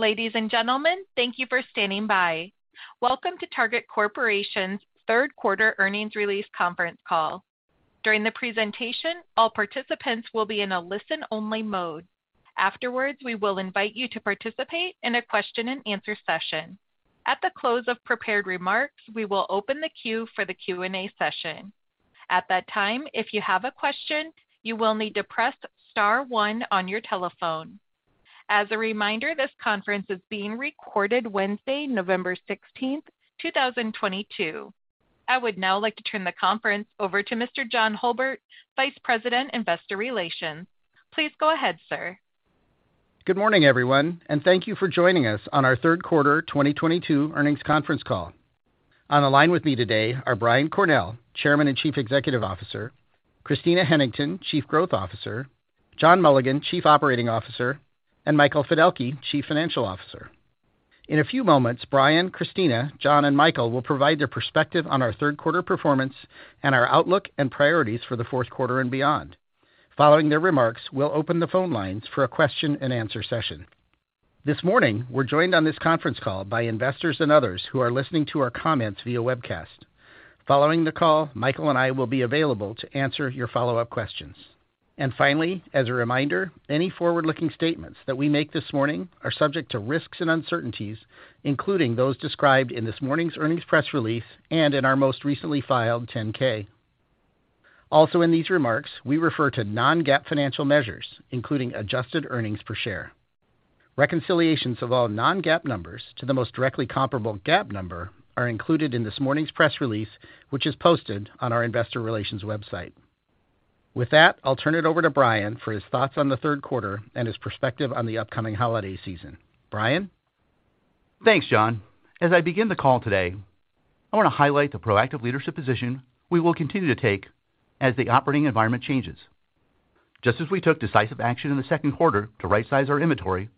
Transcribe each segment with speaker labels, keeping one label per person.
Speaker 1: Ladies and gentlemen, thank you for standing by. Welcome to Target Corporation's third quarter earnings release conference call. During the presentation, all participants will be in a listen-only mode. Afterwards, we will invite you to participate in a question-and-answer session. At the close of prepared remarks, we will open the queue for the Q&A session. At that time, if you have a question, you will need to press star one on your telephone. As a reminder, this conference is being recorded Wednesday, November 16th, 2022. I would now like to turn the conference over to Mr. John Hulbert, Vice President, Investor Relations. Please go ahead, sir.
Speaker 2: Good morning, everyone, and thank you for joining us on our third quarter 2022 earnings conference call. On the line with me today are Brian Cornell, Chairman and Chief Executive Officer, Christina Hennington, Chief Growth Officer, John Mulligan, Chief Operating Officer, and Michael Fiddelke, Chief Financial Officer. In a few moments, Brian, Christina, John, and Michael will provide their perspective on our third quarter performance and our outlook and priorities for the fourth quarter and beyond. Following their remarks, we'll open the phone lines for a question-and-answer session. This morning, we're joined on this conference call by investors and others who are listening to our comments via webcast. Following the call, Michael and I will be available to answer your follow-up questions. Finally, as a reminder, any forward-looking statements that we make this morning are subject to risks and uncertainties, including those described in this morning's earnings press release and in our most recently filed 10-K. Also in these remarks, we refer to non-GAAP financial measures, including adjusted earnings per share. Reconciliations of all non-GAAP numbers to the most directly comparable GAAP number are included in this morning's press release, which is posted on our Investor Relations website. With that, I'll turn it over to Brian for his thoughts on the third quarter and his perspective on the upcoming holiday season. Brian?
Speaker 3: Thanks, John. As I begin the call today, I want to highlight the proactive leadership position we will continue to take as the operating environment changes. Just as we took decisive action in the second quarter to rightsize our inventory,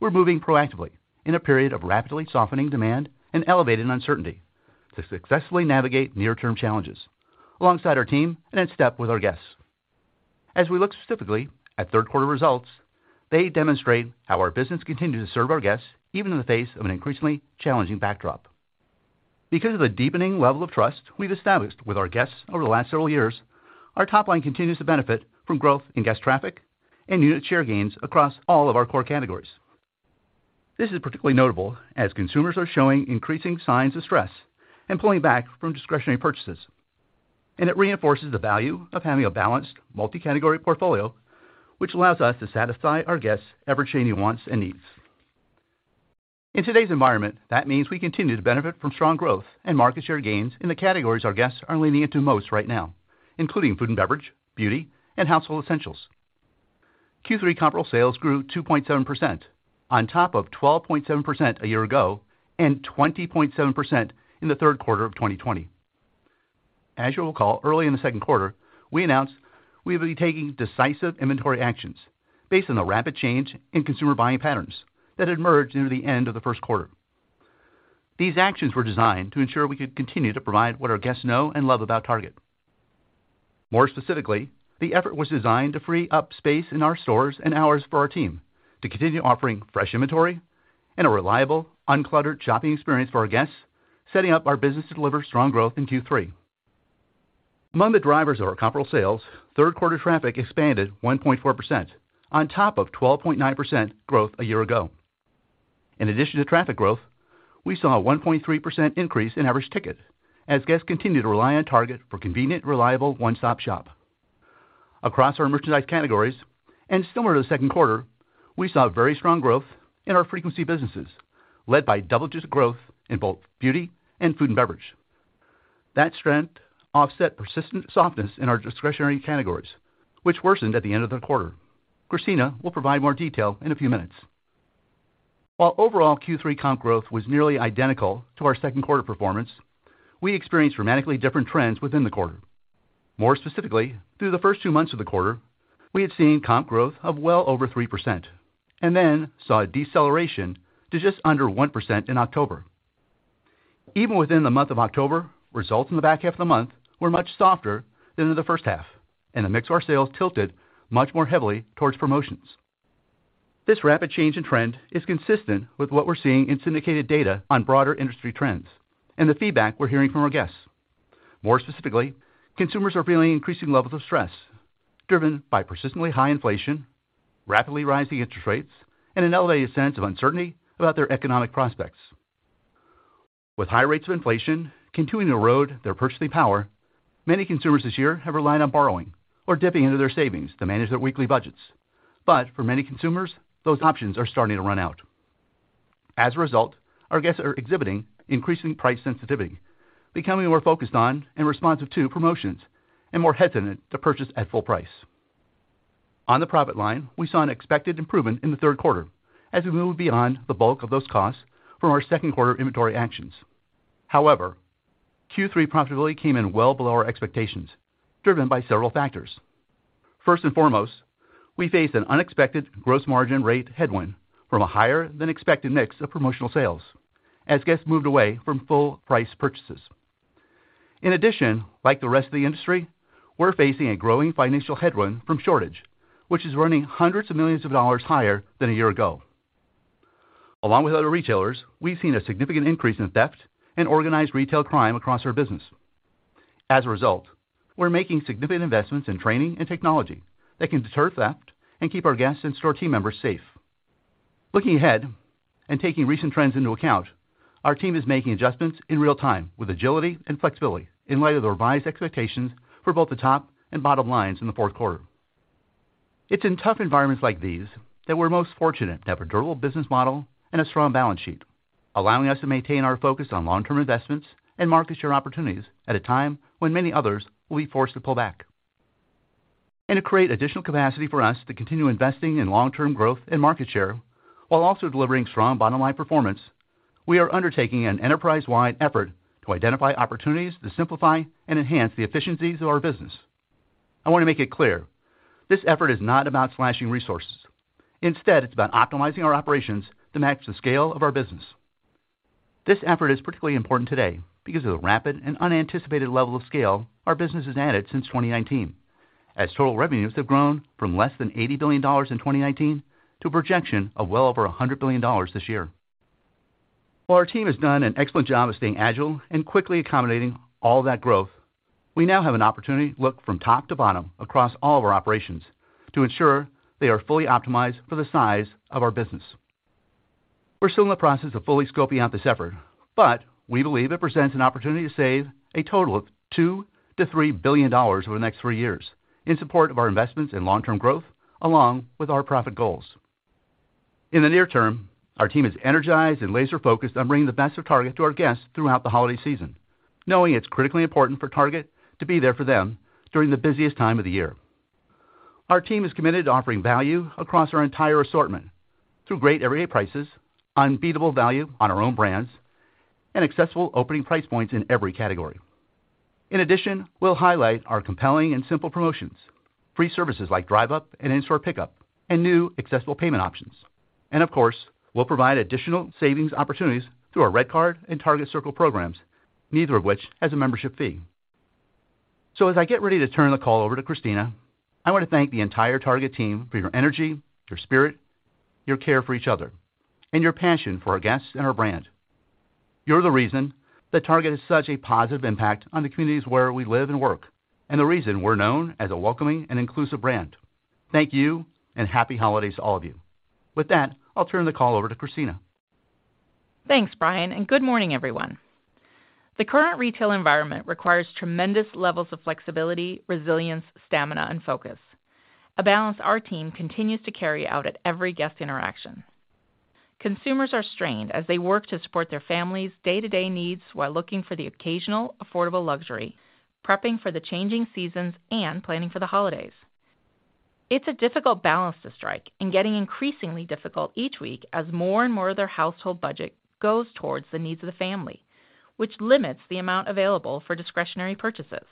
Speaker 3: we're moving proactively in a period of rapidly softening demand and elevated uncertainty to successfully navigate near-term challenges alongside our team and in step with our guests. As we look specifically at third quarter results, they demonstrate how our business continues to serve our guests even in the face of an increasingly challenging backdrop. Because of the deepening level of trust we've established with our guests over the last several years, our top line continues to benefit from growth in guest traffic and unit share gains across all of our core categories. This is particularly notable as consumers are showing increasing signs of stress and pulling back from discretionary purchases, and it reinforces the value of having a balanced multi-category portfolio, which allows us to satisfy our guests' ever-changing wants and needs. In today's environment, that means we continue to benefit from strong growth and market share gains in the categories our guests are leaning into most right now, including food and beverage, beauty, and household essentials. Q3 comparable sales grew 2.7% on top of 12.7% a year ago and 20.7% in the third quarter of 2020. As you'll recall, early in the second quarter, we announced we will be taking decisive inventory actions based on the rapid change in consumer buying patterns that had emerged into the end of the first quarter. These actions were designed to ensure we could continue to provide what our guests know and love about Target. More specifically, the effort was designed to free up space in our stores and hours for our team to continue offering fresh inventory and a reliable, uncluttered shopping experience for our guests, setting up our business to deliver strong growth in Q3. Among the drivers of our comparable sales, third quarter traffic expanded 1.4% on top of 12.9% growth a year ago. In addition to traffic growth, we saw a 1.3% increase in average ticket as guests continue to rely on Target for convenient, reliable one-stop shop. Across our merchandise categories, and similar to the second quarter, we saw very strong growth in our frequency businesses, led by double-digit growth in both beauty and food and beverage. That strength offset persistent softness in our discretionary categories, which worsened at the end of the quarter. Christina will provide more detail in a few minutes. While overall Q3 comp growth was nearly identical to our second quarter performance, we experienced dramatically different trends within the quarter. More specifically, through the first two months of the quarter, we had seen comp growth of well over 3% and then saw a deceleration to just under 1% in October. Even within the month of October, results in the back half of the month were much softer than in the first half, and the mix of our sales tilted much more heavily towards promotions. This rapid change in trend is consistent with what we're seeing in syndicated data on broader industry trends and the feedback we're hearing from our guests. More specifically, consumers are feeling increasing levels of stress driven by persistently high inflation, rapidly rising interest rates, and an elevated sense of uncertainty about their economic prospects. With high rates of inflation continuing to erode their purchasing power, many consumers this year have relied on borrowing or dipping into their savings to manage their weekly budgets. For many consumers, those options are starting to run out. As a result, our guests are exhibiting increasing price sensitivity, becoming more focused on and responsive to promotions, and more hesitant to purchase at full price. On the profit line, we saw an expected improvement in the third quarter as we moved beyond the bulk of those costs from our second quarter inventory actions. However, Q3 profitability came in well below our expectations, driven by several factors. First and foremost, we faced an unexpected gross margin rate headwind from a higher than expected mix of promotional sales as guests moved away from full price purchases. In addition, like the rest of the industry, we're facing a growing financial headwind from shortage, which is running hundreds of millions of dollars higher than a year ago. Along with other retailers, we've seen a significant increase in theft and organized retail crime across our business. As a result, we're making significant investments in training and technology that can deter theft and keep our guests and store team members safe. Looking ahead and taking recent trends into account, our team is making adjustments in real time with agility and flexibility in light of the revised expectations for both the top and bottom lines in the fourth quarter. It's in tough environments like these that we're most fortunate to have a durable business model and a strong balance sheet, allowing us to maintain our focus on long-term investments and market share opportunities at a time when many others will be forced to pull back. To create additional capacity for us to continue investing in long-term growth and market share while also delivering strong bottom-line performance, we are undertaking an enterprise-wide effort to identify opportunities to simplify and enhance the efficiencies of our business. I want to make it clear, this effort is not about slashing resources. Instead, it's about optimizing our operations to match the scale of our business. This effort is particularly important today because of the rapid and unanticipated level of scale our business has added since 2019, as total revenues have grown from less than $80 billion in 2019 to a projection of well over $100 billion this year. While our team has done an excellent job of staying agile and quickly accommodating all that growth, we now have an opportunity to look from top to bottom across all of our operations to ensure they are fully optimized for the size of our business. We're still in the process of fully scoping out this effort, but we believe it presents an opportunity to save a total of $2 billion-$3 billion over the next three years in support of our investments in long-term growth along with our profit goals. In the near term, our team is energized and laser-focused on bringing the best of Target to our guests throughout the holiday season, knowing it's critically important for Target to be there for them during the busiest time of the year. Our team is committed to offering value across our entire assortment through great everyday prices, unbeatable value on our own brands, and accessible opening price points in every category. In addition, we'll highlight our compelling and simple promotions, free services like Drive Up and in-store Pickup, and new accessible payment options. Of course, we'll provide additional savings opportunities through our RedCard and Target Circle programs, neither of which has a membership fee. As I get ready to turn the call over to Christina, I want to thank the entire Target team for your energy, your spirit, your care for each other, and your passion for our guests and our brand. You're the reason that Target has such a positive impact on the communities where we live and work, and the reason we're known as a welcoming and inclusive brand. Thank you and happy holidays to all of you. With that, I'll turn the call over to Christina.
Speaker 4: Thanks, Brian, and good morning, everyone. The current retail environment requires tremendous levels of flexibility, resilience, stamina and focus, a balance our team continues to carry out at every guest interaction. Consumers are strained as they work to support their families' day-to-day needs while looking for the occasional affordable luxury, prepping for the changing seasons and planning for the holidays. It's a difficult balance to strike and getting increasingly difficult each week as more and more of their household budget goes towards the needs of the family, which limits the amount available for discretionary purchases.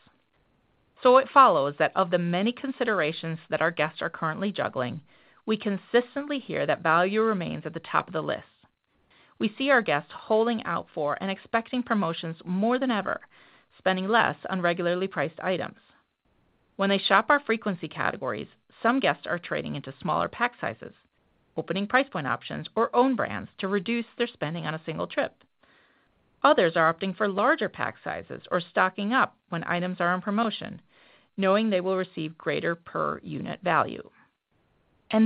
Speaker 4: It follows that of the many considerations that our guests are currently juggling, we consistently hear that value remains at the top of the list. We see our guests holding out for and expecting promotions more than ever, spending less on regularly priced items. When they shop our frequency categories, some guests are trading into smaller pack sizes, opening price point options or own brands to reduce their spending on a single trip. Others are opting for larger pack sizes or stocking up when items are on promotion, knowing they will receive greater per unit value.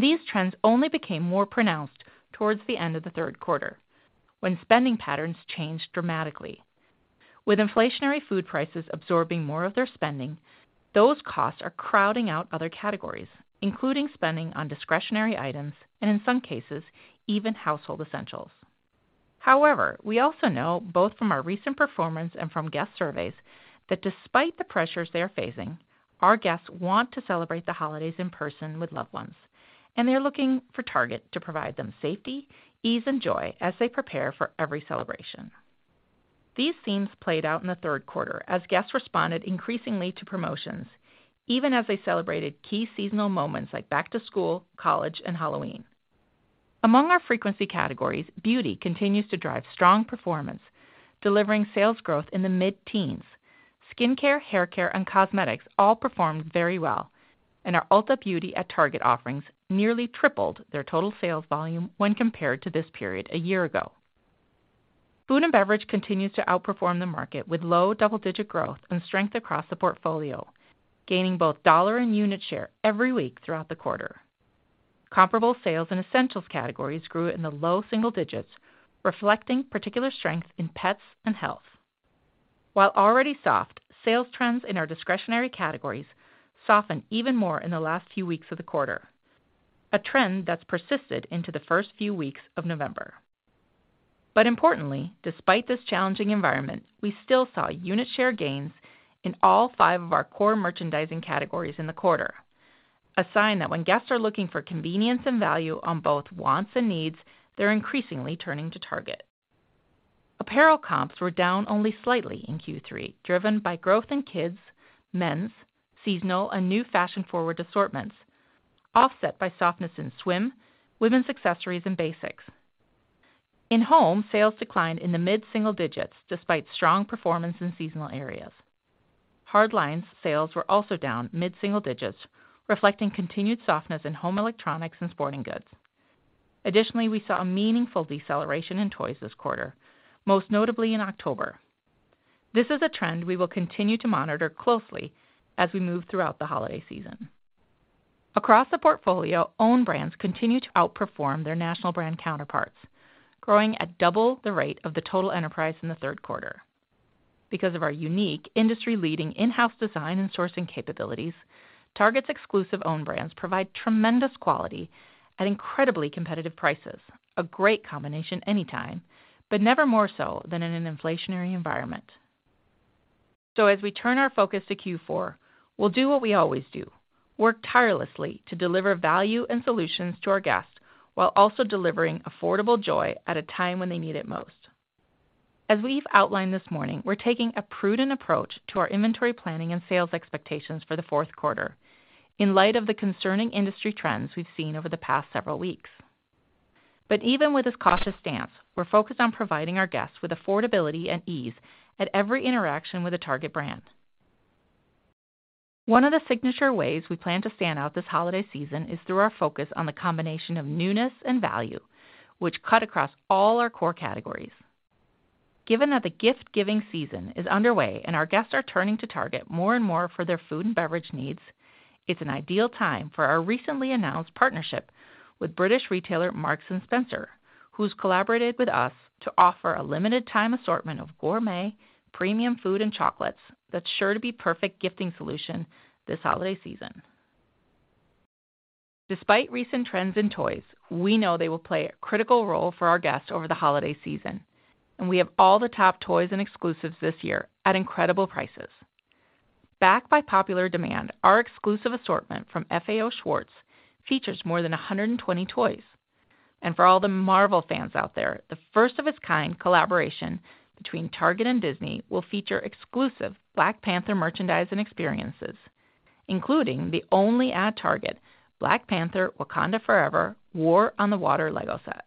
Speaker 4: These trends only became more pronounced towards the end of the third quarter when spending patterns changed dramatically. With inflationary food prices absorbing more of their spending, those costs are crowding out other categories, including spending on discretionary items and in some cases, even household essentials. However, we also know both from our recent performance and from guest surveys that despite the pressures they are facing, our guests want to celebrate the holidays in person with loved ones, and they're looking for Target to provide them safety, ease, and joy as they prepare for every celebration. These themes played out in the third quarter as guests responded increasingly to promotions, even as they celebrated key seasonal moments like back to school, college, and Halloween. Among our frequency categories, beauty continues to drive strong performance, delivering sales growth in the mid-teens. Skincare, haircare, and cosmetics all performed very well, and our Ulta Beauty at Target offerings nearly tripled their total sales volume when compared to this period a year ago. Food and beverage continues to outperform the market with low double-digit growth and strength across the portfolio, gaining both dollar and unit share every week throughout the quarter. Comparable sales and essentials categories grew in the low single digits, reflecting particular strength in pets and health. While already soft, sales trends in our discretionary categories softened even more in the last few weeks of the quarter, a trend that's persisted into the first few weeks of November. Importantly, despite this challenging environment, we still saw unit share gains in all five of our core merchandising categories in the quarter, a sign that when guests are looking for convenience and value on both wants and needs, they're increasingly turning to Target. Apparel comps were down only slightly in Q3, driven by growth in kids, men's, seasonal, and new fashion-forward assortments, offset by softness in swim, women's accessories, and basics. In home, sales declined in the mid-single digits despite strong performance in seasonal areas. Hard lines sales were also down mid-single digits, reflecting continued softness in home electronics and sporting goods. Additionally, we saw a meaningful deceleration in toys this quarter, most notably in October. This is a trend we will continue to monitor closely as we move throughout the holiday season. Across the portfolio, own brands continue to outperform their national brand counterparts, growing at double the rate of the total enterprise in the third quarter. Because of our unique industry-leading in-house design and sourcing capabilities, Target's exclusive own brands provide tremendous quality at incredibly competitive prices. A great combination anytime, but never more so than in an inflationary environment. As we turn our focus to Q4, we'll do what we always do, work tirelessly to deliver value and solutions to our guests while also delivering affordable joy at a time when they need it most. As we've outlined this morning, we're taking a prudent approach to our inventory planning and sales expectations for the fourth quarter in light of the concerning industry trends we've seen over the past several weeks. But even with this cautious stance, we're focused on providing our guests with affordability and ease at every interaction with a Target brand. One of the signature ways we plan to stand out this holiday season is through our focus on the combination of newness and value, which cut across all our core categories. Given that the gift-giving season is underway and our guests are turning to Target more and more for their food and beverage needs, it's an ideal time for our recently announced partnership with British retailer Marks & Spencer, who's collaborated with us to offer a limited time assortment of gourmet premium food and chocolates that's sure to be perfect gifting solution this holiday season. Despite recent trends in toys, we know they will play a critical role for our guests over the holiday season, and we have all the top toys and exclusives this year at incredible prices. Backed by popular demand, our exclusive assortment from FAO Schwarz features more than 120 toys. For all the Marvel fans out there, the first of its kind collaboration between Target and Disney will feature exclusive Black Panther merchandise and experiences, including the only at Target Black Panther Wakanda Forever War on the Water LEGO set.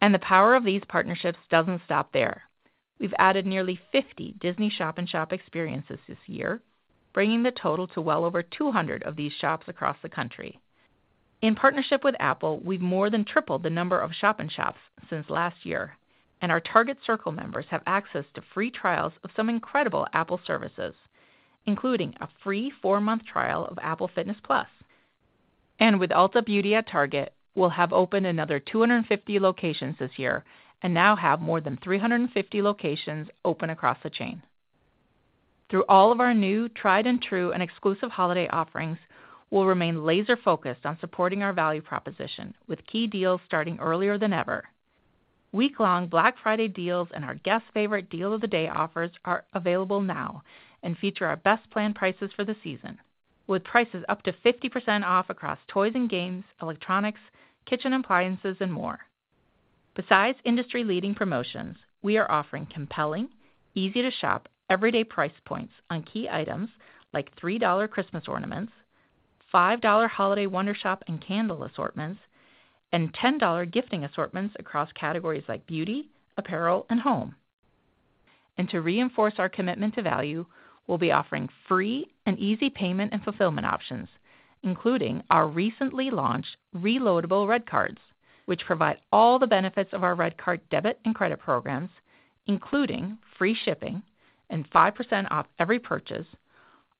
Speaker 4: The power of these partnerships doesn't stop there. We've added nearly 50 Disney shop-in-shop experiences this year, bringing the total to well over 200 of these shops across the country. In partnership with Apple, we've more than tripled the number of shop-in-shops since last year, and our Target Circle members have access to free trials of some incredible Apple services, including a free four-month trial of Apple Fitness+. With Ulta Beauty at Target, we'll have opened another 250 locations this year and now have more than 350 locations open across the chain. Through all of our new tried and true and exclusive holiday offerings, we'll remain laser-focused on supporting our value proposition with key deals starting earlier than ever. Week-long Black Friday deals and our guest favorite deal of the day offers are available now and feature our best planned prices for the season with prices up to 50% off across toys and games, electronics, kitchen appliances, and more. Besides industry-leading promotions, we are offering compelling, easy-to-shop, everyday price points on key items like $3 Christmas ornaments, $5 Wondershop and candle assortments, and $10 gifting assortments across categories like beauty, apparel, and home. To reinforce our commitment to value, we'll be offering free and easy payment and fulfillment options, including our recently launched reloadable RedCard, which provide all the benefits of our RedCard debit and credit programs, including free shipping and 5% off every purchase,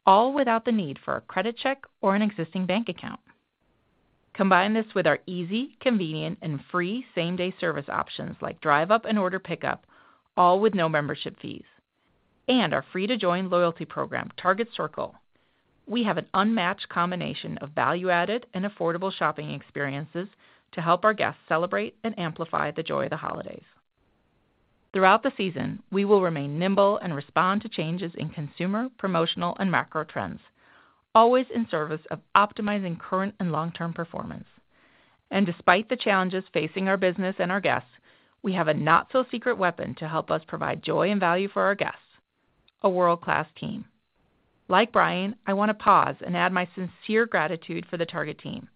Speaker 4: all without the need for a credit check or an existing bank account. Combine this with our easy, convenient, and free same-day service options like Drive Up and Order Pickup, all with no membership fees, and our free-to-join loyalty program, Target Circle. We have an unmatched combination of value-added and affordable shopping experiences to help our guests celebrate and amplify the joy of the holidays. Throughout the season, we will remain nimble and respond to changes in consumer, promotional, and macro trends, always in service of optimizing current and long-term performance. Despite the challenges facing our business and our guests, we have a not-so-secret weapon to help us provide joy and value for our guests, a world-class team. Like Brian, I want to pause and add my sincere gratitude for the Target team.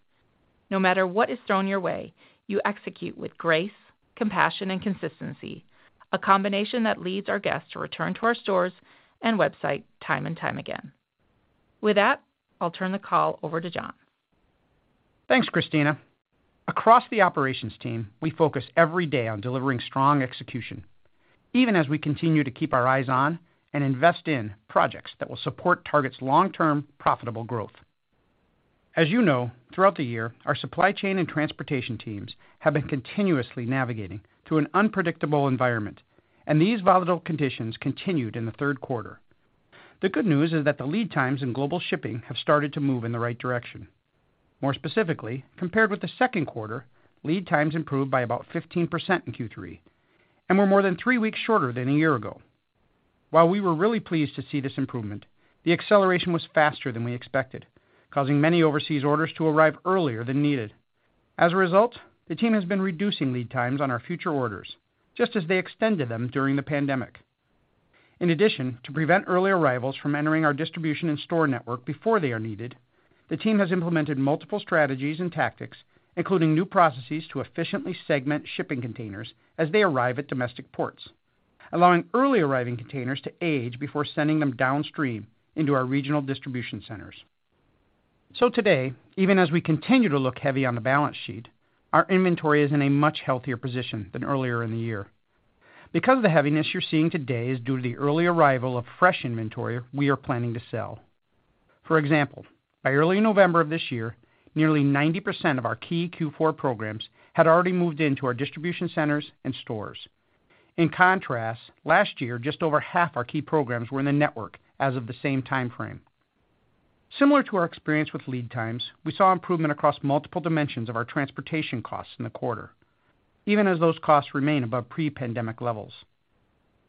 Speaker 4: No matter what is thrown your way, you execute with grace, compassion, and consistency, a combination that leads our guests to return to our stores and website time and time again. With that, I'll turn the call over to John.
Speaker 5: Thanks, Christina. Across the operations team, we focus every day on delivering strong execution, even as we continue to keep our eyes on and invest in projects that will support Target's long-term profitable growth. As you know, throughout the year, our supply chain and transportation teams have been continuously navigating through an unpredictable environment, and these volatile conditions continued in the third quarter. The good news is that the lead times in global shipping have started to move in the right direction. More specifically, compared with the second quarter, lead times improved by about 15% in Q3 and were more than three weeks shorter than a year ago. While we were really pleased to see this improvement, the acceleration was faster than we expected, causing many overseas orders to arrive earlier than needed. As a result, the team has been reducing lead times on our future orders, just as they extended them during the pandemic. In addition, to prevent early arrivals from entering our distribution and store network before they are needed, the team has implemented multiple strategies and tactics, including new processes to efficiently segment shipping containers as they arrive at domestic ports, allowing early arriving containers to age before sending them downstream into our regional distribution centers. Today, even as we continue to look heavy on the balance sheet, our inventory is in a much healthier position than earlier in the year. Because of the heaviness you're seeing today is due to the early arrival of fresh inventory we are planning to sell. For example, by early November of this year, nearly 90% of our key Q4 programs had already moved into our distribution centers and stores. In contrast, last year, just over half our key programs were in the network as of the same time frame. Similar to our experience with lead times, we saw improvement across multiple dimensions of our transportation costs in the quarter, even as those costs remain above pre-pandemic levels.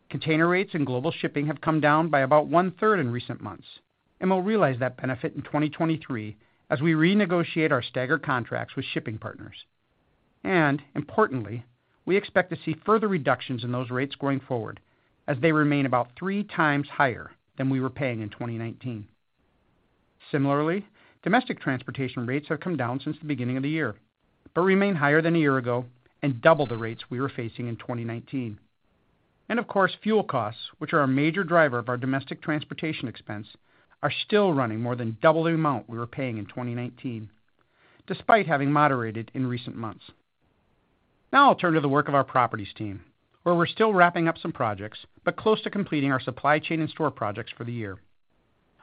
Speaker 5: Container rates and global shipping have come down by about 1/3 in recent months, and we'll realize that benefit in 2023 as we renegotiate our staggered contracts with shipping partners. Importantly, we expect to see further reductions in those rates going forward as they remain about 3x higher than we were paying in 2019. Similarly, domestic transportation rates have come down since the beginning of the year, but remain higher than a year ago and double the rates we were facing in 2019. Of course, fuel costs, which are a major driver of our domestic transportation expense, are still running more than double the amount we were paying in 2019, despite having moderated in recent months. Now I'll turn to the work of our properties team, where we're still wrapping up some projects, but close to completing our supply chain and store projects for the year.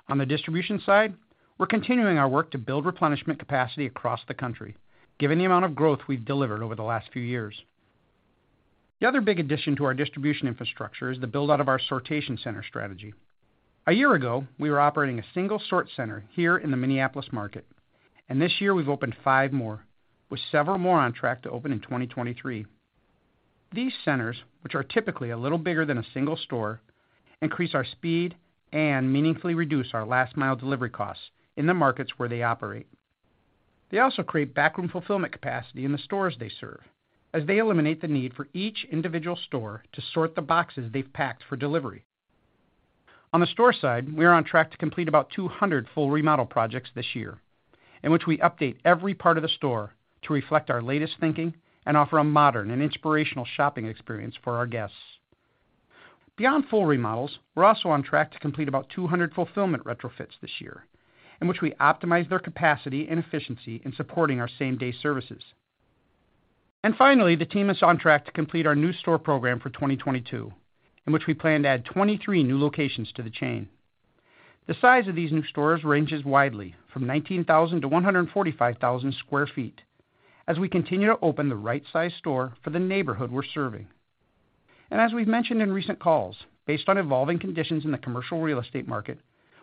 Speaker 5: On the distribution side, we're continuing our work to build replenishment capacity across the country, given the amount of growth we've delivered over the last few years. The other big addition to our distribution infrastructure is the build-out of our sortation center strategy. A year ago, we were operating a single sortation center here in the Minneapolis market, and this year we've opened five more, with several more on track to open in 2023. These centers, which are typically a little bigger than a single store, increase our speed and meaningfully reduce our last mile delivery costs in the markets where they operate. They also create backroom fulfillment capacity in the stores they serve as they eliminate the need for each individual store to sort the boxes they've packed for delivery. On the store side, we are on track to complete about 200 full remodel projects this year in which we update every part of the store to reflect our latest thinking and offer a modern and inspirational shopping experience for our guests. Beyond full remodels, we're also on track to complete about 200 fulfillment retrofits this year in which we optimize their capacity and efficiency in supporting our same-day services. Finally, the team is on track to complete our new store program for 2022, in which we plan to add 23 new locations to the chain. The size of these new stores ranges widely from 19,000 sq ft-145,000 sq ft as we continue to open the right size store for the neighborhood we're serving. As we've mentioned in recent calls, based on evolving conditions in the commercial real estate market,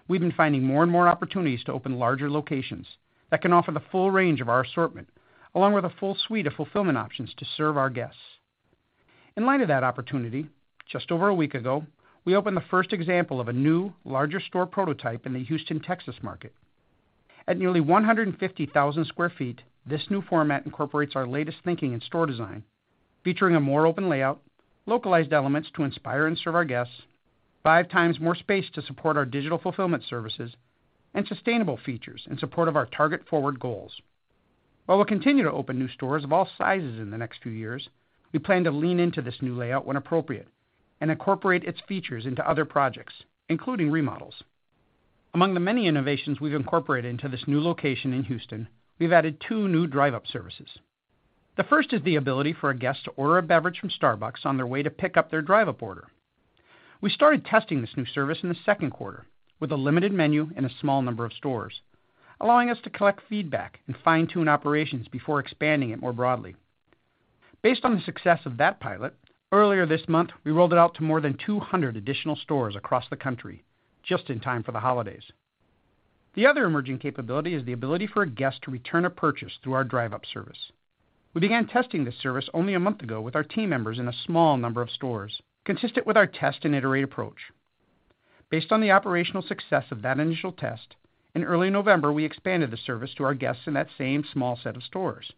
Speaker 5: we've been finding more and more opportunities to open larger locations that can offer the full range of our assortment, along with a full suite of fulfillment options to serve our guests. In light of that opportunity, just over a week ago, we opened the first example of a new, larger store prototype in the Houston, Texas market. At nearly 150,000 sq ft, this new format incorporates our latest thinking in store design, featuring a more open layout, localized elements to inspire and serve our guests, 5x more space to support our digital fulfillment services, and sustainable features in support of our Target Forward goals. While we'll continue to open new stores of all sizes in the next few years, we plan to lean into this new layout when appropriate and incorporate its features into other projects, including remodels. Among the many innovations we've incorporated into this new location in Houston, we've added two new Drive Up services. The first is the ability for a guest to order a beverage from Starbucks on their way to pick up their Drive Up order. We started testing this new service in the second quarter with a limited menu and a small number of stores, allowing us to collect feedback and fine-tune operations before expanding it more broadly. Based on the success of that pilot, earlier this month, we rolled it out to more than 200 additional stores across the country just in time for the holidays. The other emerging capability is the ability for a guest to return a purchase through our Drive Up service. We began testing this service only a month ago with our team members in a small number of stores, consistent with our test and iterate approach. Based on the operational success of that initial test, in early November, we expanded the service to our guests in that same small set of stores,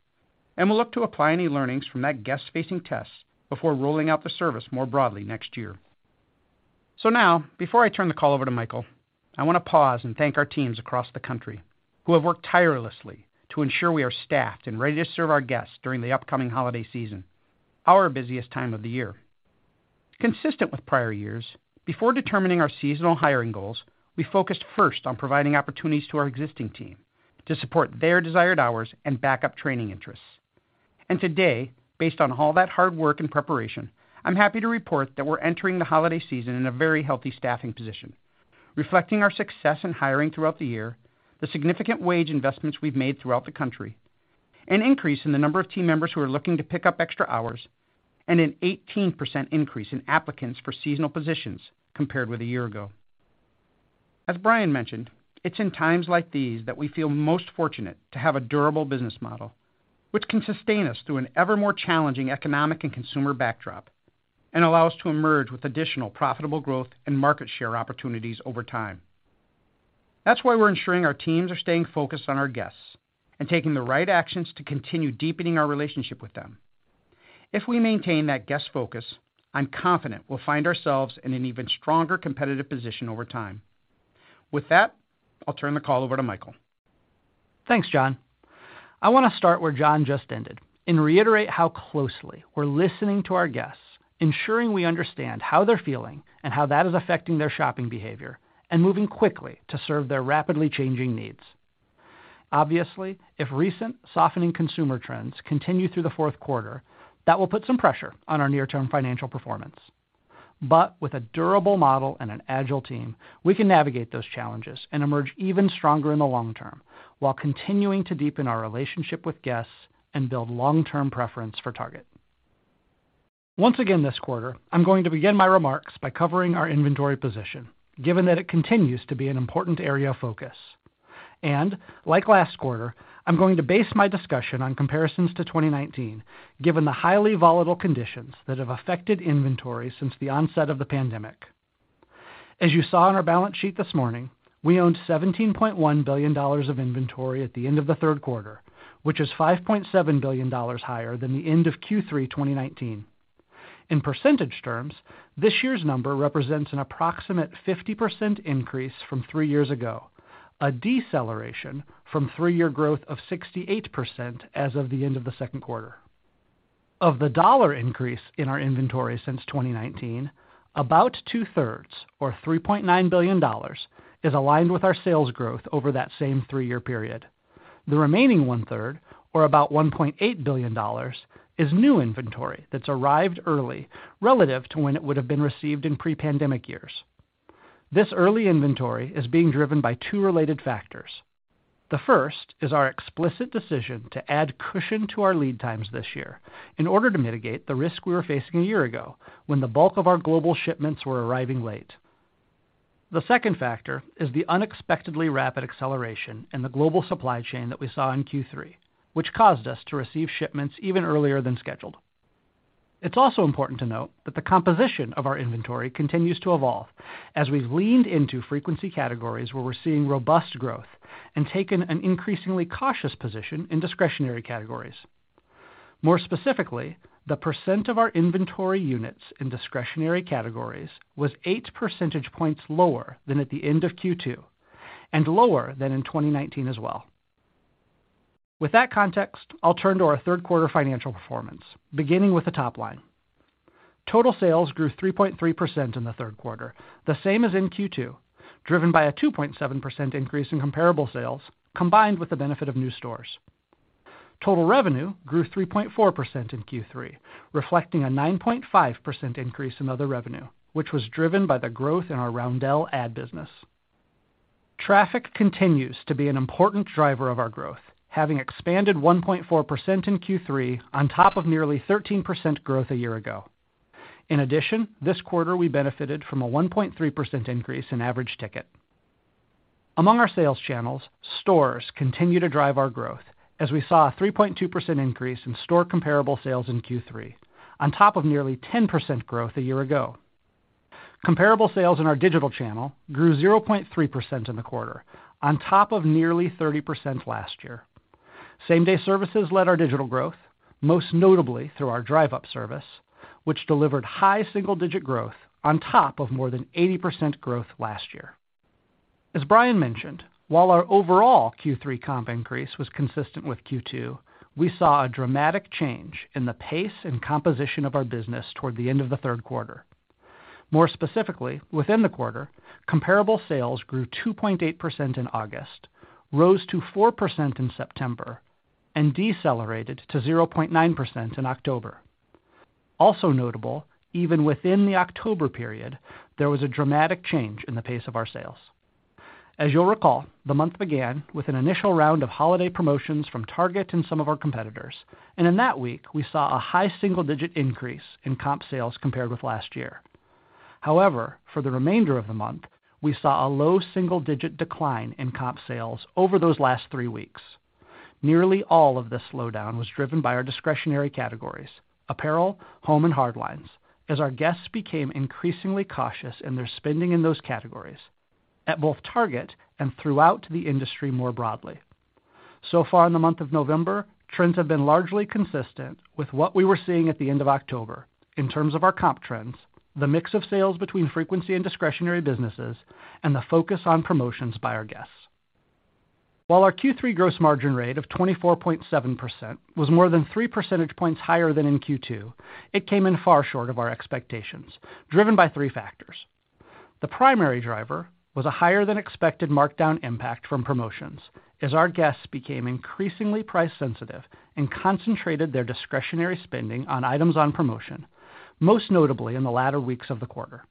Speaker 5: and we'll look to apply any learnings from that guest-facing test before rolling out the service more broadly next year. Now, before I turn the call over to Michael, I want to pause and thank our teams across the country who have worked tirelessly to ensure we are staffed and ready to serve our guests during the upcoming holiday season, our busiest time of the year. Consistent with prior years, before determining our seasonal hiring goals, we focused first on providing opportunities to our existing team to support their desired hours and backup training interests. Today, based on all that hard work and preparation, I'm happy to report that we're entering the holiday season in a very healthy staffing position, reflecting our success in hiring throughout the year, the significant wage investments we've made throughout the country, an increase in the number of team members who are looking to pick up extra hours, and an 18% increase in applicants for seasonal positions compared with a year ago. As Brian mentioned, it's in times like these that we feel most fortunate to have a durable business model which can sustain us through an ever more challenging economic and consumer backdrop and allow us to emerge with additional profitable growth and market share opportunities over time. That's why we're ensuring our teams are staying focused on our guests and taking the right actions to continue deepening our relationship with them. If we maintain that guest focus, I'm confident we'll find ourselves in an even stronger competitive position over time. With that, I'll turn the call over to Michael.
Speaker 6: Thanks, John. I wanna start where John just ended and reiterate how closely we're listening to our guests, ensuring we understand how they're feeling and how that is affecting their shopping behavior, and moving quickly to serve their rapidly changing needs. Obviously, if recent softening consumer trends continue through the fourth quarter, that will put some pressure on our near-term financial performance. With a durable model and an agile team, we can navigate those challenges and emerge even stronger in the long term, while continuing to deepen our relationship with guests and build long-term preference for Target. Once again this quarter, I'm going to begin my remarks by covering our inventory position, given that it continues to be an important area of focus. Like last quarter, I'm going to base my discussion on comparisons to 2019, given the highly volatile conditions that have affected inventory since the onset of the pandemic. As you saw in our balance sheet this morning, we owned $17.1 billion of inventory at the end of the third quarter, which is $5.7 billion higher than the end of Q3 2019. In percentage terms, this year's number represents an approximate 50% increase from three years ago, a deceleration from three-year growth of 68% as of the end of the second quarter. Of the dollar increase in our inventory since 2019, about 2/3, or $3.9 billion, is aligned with our sales growth over that same three-year period. The remaining 1/3, or about $1.8 billion, is new inventory that's arrived early relative to when it would have been received in pre-pandemic years. This early inventory is being driven by two related factors. The first is our explicit decision to add cushion to our lead times this year in order to mitigate the risk we were facing a year ago when the bulk of our global shipments were arriving late. The second factor is the unexpectedly rapid acceleration in the global supply chain that we saw in Q3, which caused us to receive shipments even earlier than scheduled. It's also important to note that the composition of our inventory continues to evolve as we've leaned into frequency categories where we're seeing robust growth and taken an increasingly cautious position in discretionary categories. More specifically, the percent of our inventory units in discretionary categories was 8 percentage points lower than at the end of Q2 and lower than in 2019 as well. With that context, I'll turn to our third quarter financial performance, beginning with the top line. Total sales grew 3.3% in the third quarter, the same as in Q2, driven by a 2.7% increase in comparable sales combined with the benefit of new stores. Total revenue grew 3.4% in Q3, reflecting a 9.5% increase in other revenue, which was driven by the growth in our Roundel ad business. Traffic continues to be an important driver of our growth, having expanded 1.4% in Q3 on top of nearly 13% growth a year ago. In addition, this quarter, we benefited from a 1.3% increase in average ticket. Among our sales channels, stores continue to drive our growth as we saw a 3.2% increase in store comparable sales in Q3 on top of nearly 10% growth a year ago. Comparable sales in our digital channel grew 0.3% in the quarter on top of nearly 30% last year. Same-day services led our digital growth, most notably through our Drive Up service, which delivered high single-digit growth on top of more than 80% growth last year. As Brian mentioned, while our overall Q3 comp increase was consistent with Q2, we saw a dramatic change in the pace and composition of our business toward the end of the third quarter. More specifically, within the quarter, comparable sales grew 2.8% in August, rose to 4% in September, and decelerated to 0.9% in October. Also notable, even within the October period, there was a dramatic change in the pace of our sales. As you'll recall, the month began with an initial round of holiday promotions from Target and some of our competitors, and in that week, we saw a high single-digit increase in comp sales compared with last year. However, for the remainder of the month, we saw a low single-digit decline in comp sales over those last three weeks. Nearly all of this slowdown was driven by our discretionary categories, apparel, home, and hard lines, as our guests became increasingly cautious in their spending in those categories at both Target and throughout the industry more broadly. Far in the month of November, trends have been largely consistent with what we were seeing at the end of October in terms of our comp trends, the mix of sales between frequency and discretionary businesses, and the focus on promotions by our guests. While our Q3 gross margin rate of 24.7% was more than 3 percentage points higher than in Q2, it came in far short of our expectations, driven by three factors. The primary driver was a higher than expected markdown impact from promotions as our guests became increasingly price sensitive and concentrated their discretionary spending on items on promotion, most notably in the latter weeks of the quarter.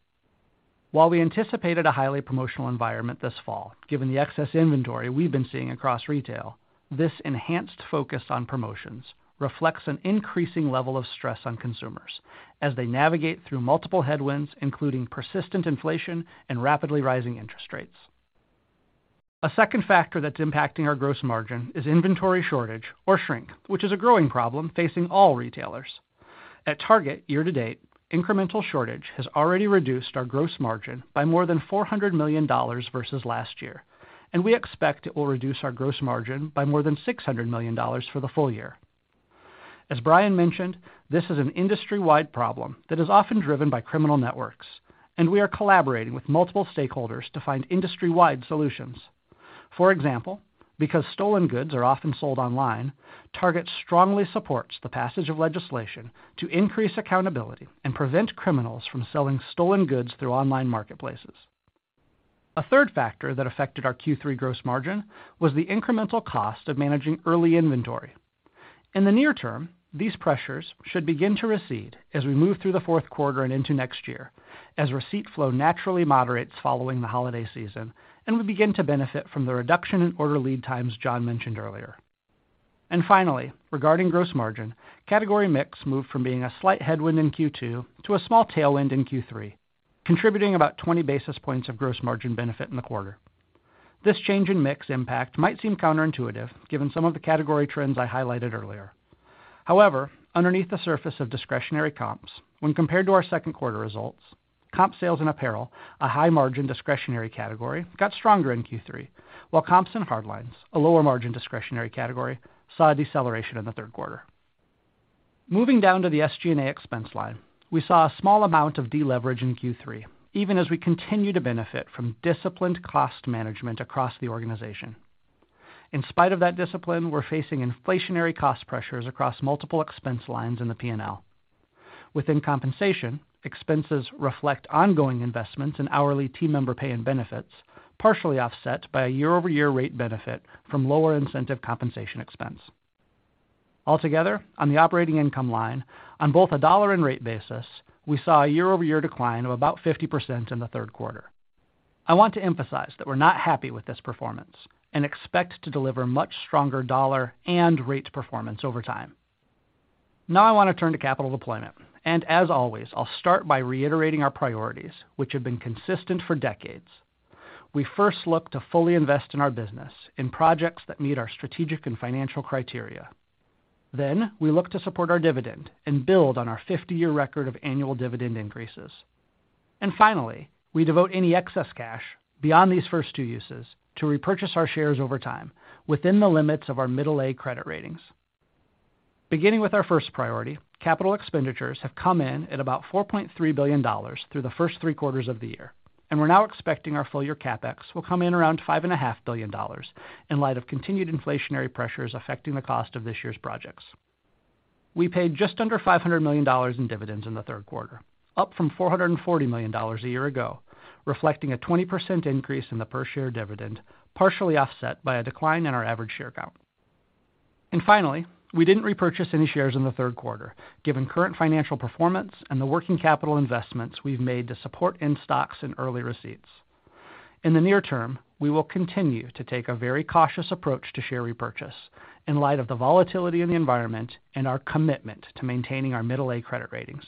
Speaker 6: While we anticipated a highly promotional environment this fall, given the excess inventory we've been seeing across retail, this enhanced focus on promotions reflects an increasing level of stress on consumers as they navigate through multiple headwinds, including persistent inflation and rapidly rising interest rates. A second factor that's impacting our gross margin is inventory shortage or shrink, which is a growing problem facing all retailers. At Target year-to-date, incremental shortage has already reduced our gross margin by more than $400 million versus last year, and we expect it will reduce our gross margin by more than $600 million for the full year. As Brian mentioned, this is an industry-wide problem that is often driven by criminal networks, and we are collaborating with multiple stakeholders to find industry-wide solutions. For example, because stolen goods are often sold online, Target strongly supports the passage of legislation to increase accountability and prevent criminals from selling stolen goods through online marketplaces. A third factor that affected our Q3 gross margin was the incremental cost of managing early inventory. In the near term, these pressures should begin to recede as we move through the fourth quarter and into next year, as receipt flow naturally moderates following the holiday season and we begin to benefit from the reduction in order lead times John mentioned earlier. Finally, regarding gross margin, category mix moved from being a slight headwind in Q2 to a small tailwind in Q3, contributing about 20 basis points of gross margin benefit in the quarter. This change in mix impact might seem counterintuitive given some of the category trends I highlighted earlier. However, underneath the surface of discretionary comps, when compared to our second quarter results, comp sales and apparel, a high-margin discretionary category, got stronger in Q3, while comps and hard lines, a lower margin discretionary category, saw a deceleration in the third quarter. Moving down to the SG&A expense line, we saw a small amount of deleverage in Q3, even as we continue to benefit from disciplined cost management across the organization. In spite of that discipline, we're facing inflationary cost pressures across multiple expense lines in the P&L. Within compensation, expenses reflect ongoing investments in hourly team member pay and benefits, partially offset by a year-over-year rate benefit from lower incentive compensation expense. Altogether, on the operating income line, on both a dollar and rate basis, we saw a year-over-year decline of about 50% in the third quarter. I want to emphasize that we're not happy with this performance and expect to deliver much stronger dollar and rate performance over time. Now I want to turn to capital deployment, and as always, I'll start by reiterating our priorities, which have been consistent for decades. We first look to fully invest in our business in projects that meet our strategic and financial criteria. Then we look to support our dividend and build on our 50-year record of annual dividend increases. Finally, we devote any excess cash beyond these first two uses to repurchase our shares over time within the limits of our middle A credit ratings. Beginning with our first priority, capital expenditures have come in at about $4.3 billion through the first three quarters of the year, and we're now expecting our full year CapEx will come in around $5.5 billion in light of continued inflationary pressures affecting the cost of this year's projects. We paid just under $500 million in dividends in the third quarter, up from $440 million a year ago, reflecting a 20% increase in the per share dividend, partially offset by a decline in our average share count. Finally, we didn't repurchase any shares in the third quarter, given current financial performance and the working capital investments we've made to support in-stocks and early receipts. In the near term, we will continue to take a very cautious approach to share repurchase in light of the volatility in the environment and our commitment to maintaining our middle A credit ratings.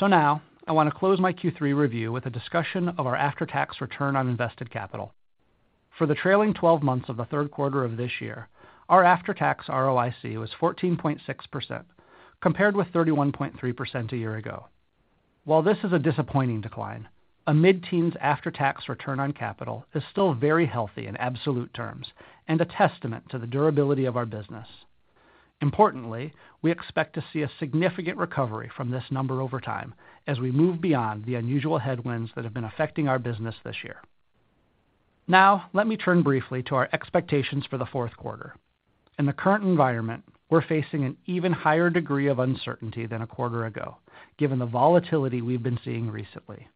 Speaker 6: Now I want to close my Q3 review with a discussion of our after-tax return on invested capital. For the trailing 12 months of the third quarter of this year, our after-tax ROIC was 14.6%, compared with 31.3% a year ago. While this is a disappointing decline, a mid-teens after-tax return on capital is still very healthy in absolute terms and a testament to the durability of our business. Importantly, we expect to see a significant recovery from this number over time as we move beyond the unusual headwinds that have been affecting our business this year. Now, let me turn briefly to our expectations for the fourth quarter. In the current environment, we're facing an even higher degree of uncertainty than a quarter ago, given the volatility we've been seeing recently.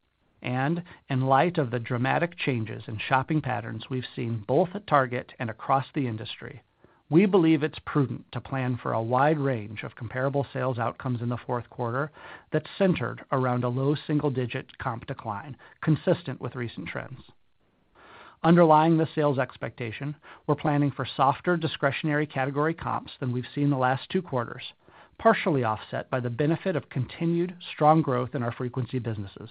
Speaker 6: In light of the dramatic changes in shopping patterns we've seen both at Target and across the industry, we believe it's prudent to plan for a wide range of comparable sales outcomes in the fourth quarter that's centered around a low single-digit comp decline consistent with recent trends. Underlying the sales expectation, we're planning for softer discretionary category comps than we've seen the last two quarters, partially offset by the benefit of continued strong growth in our frequency businesses.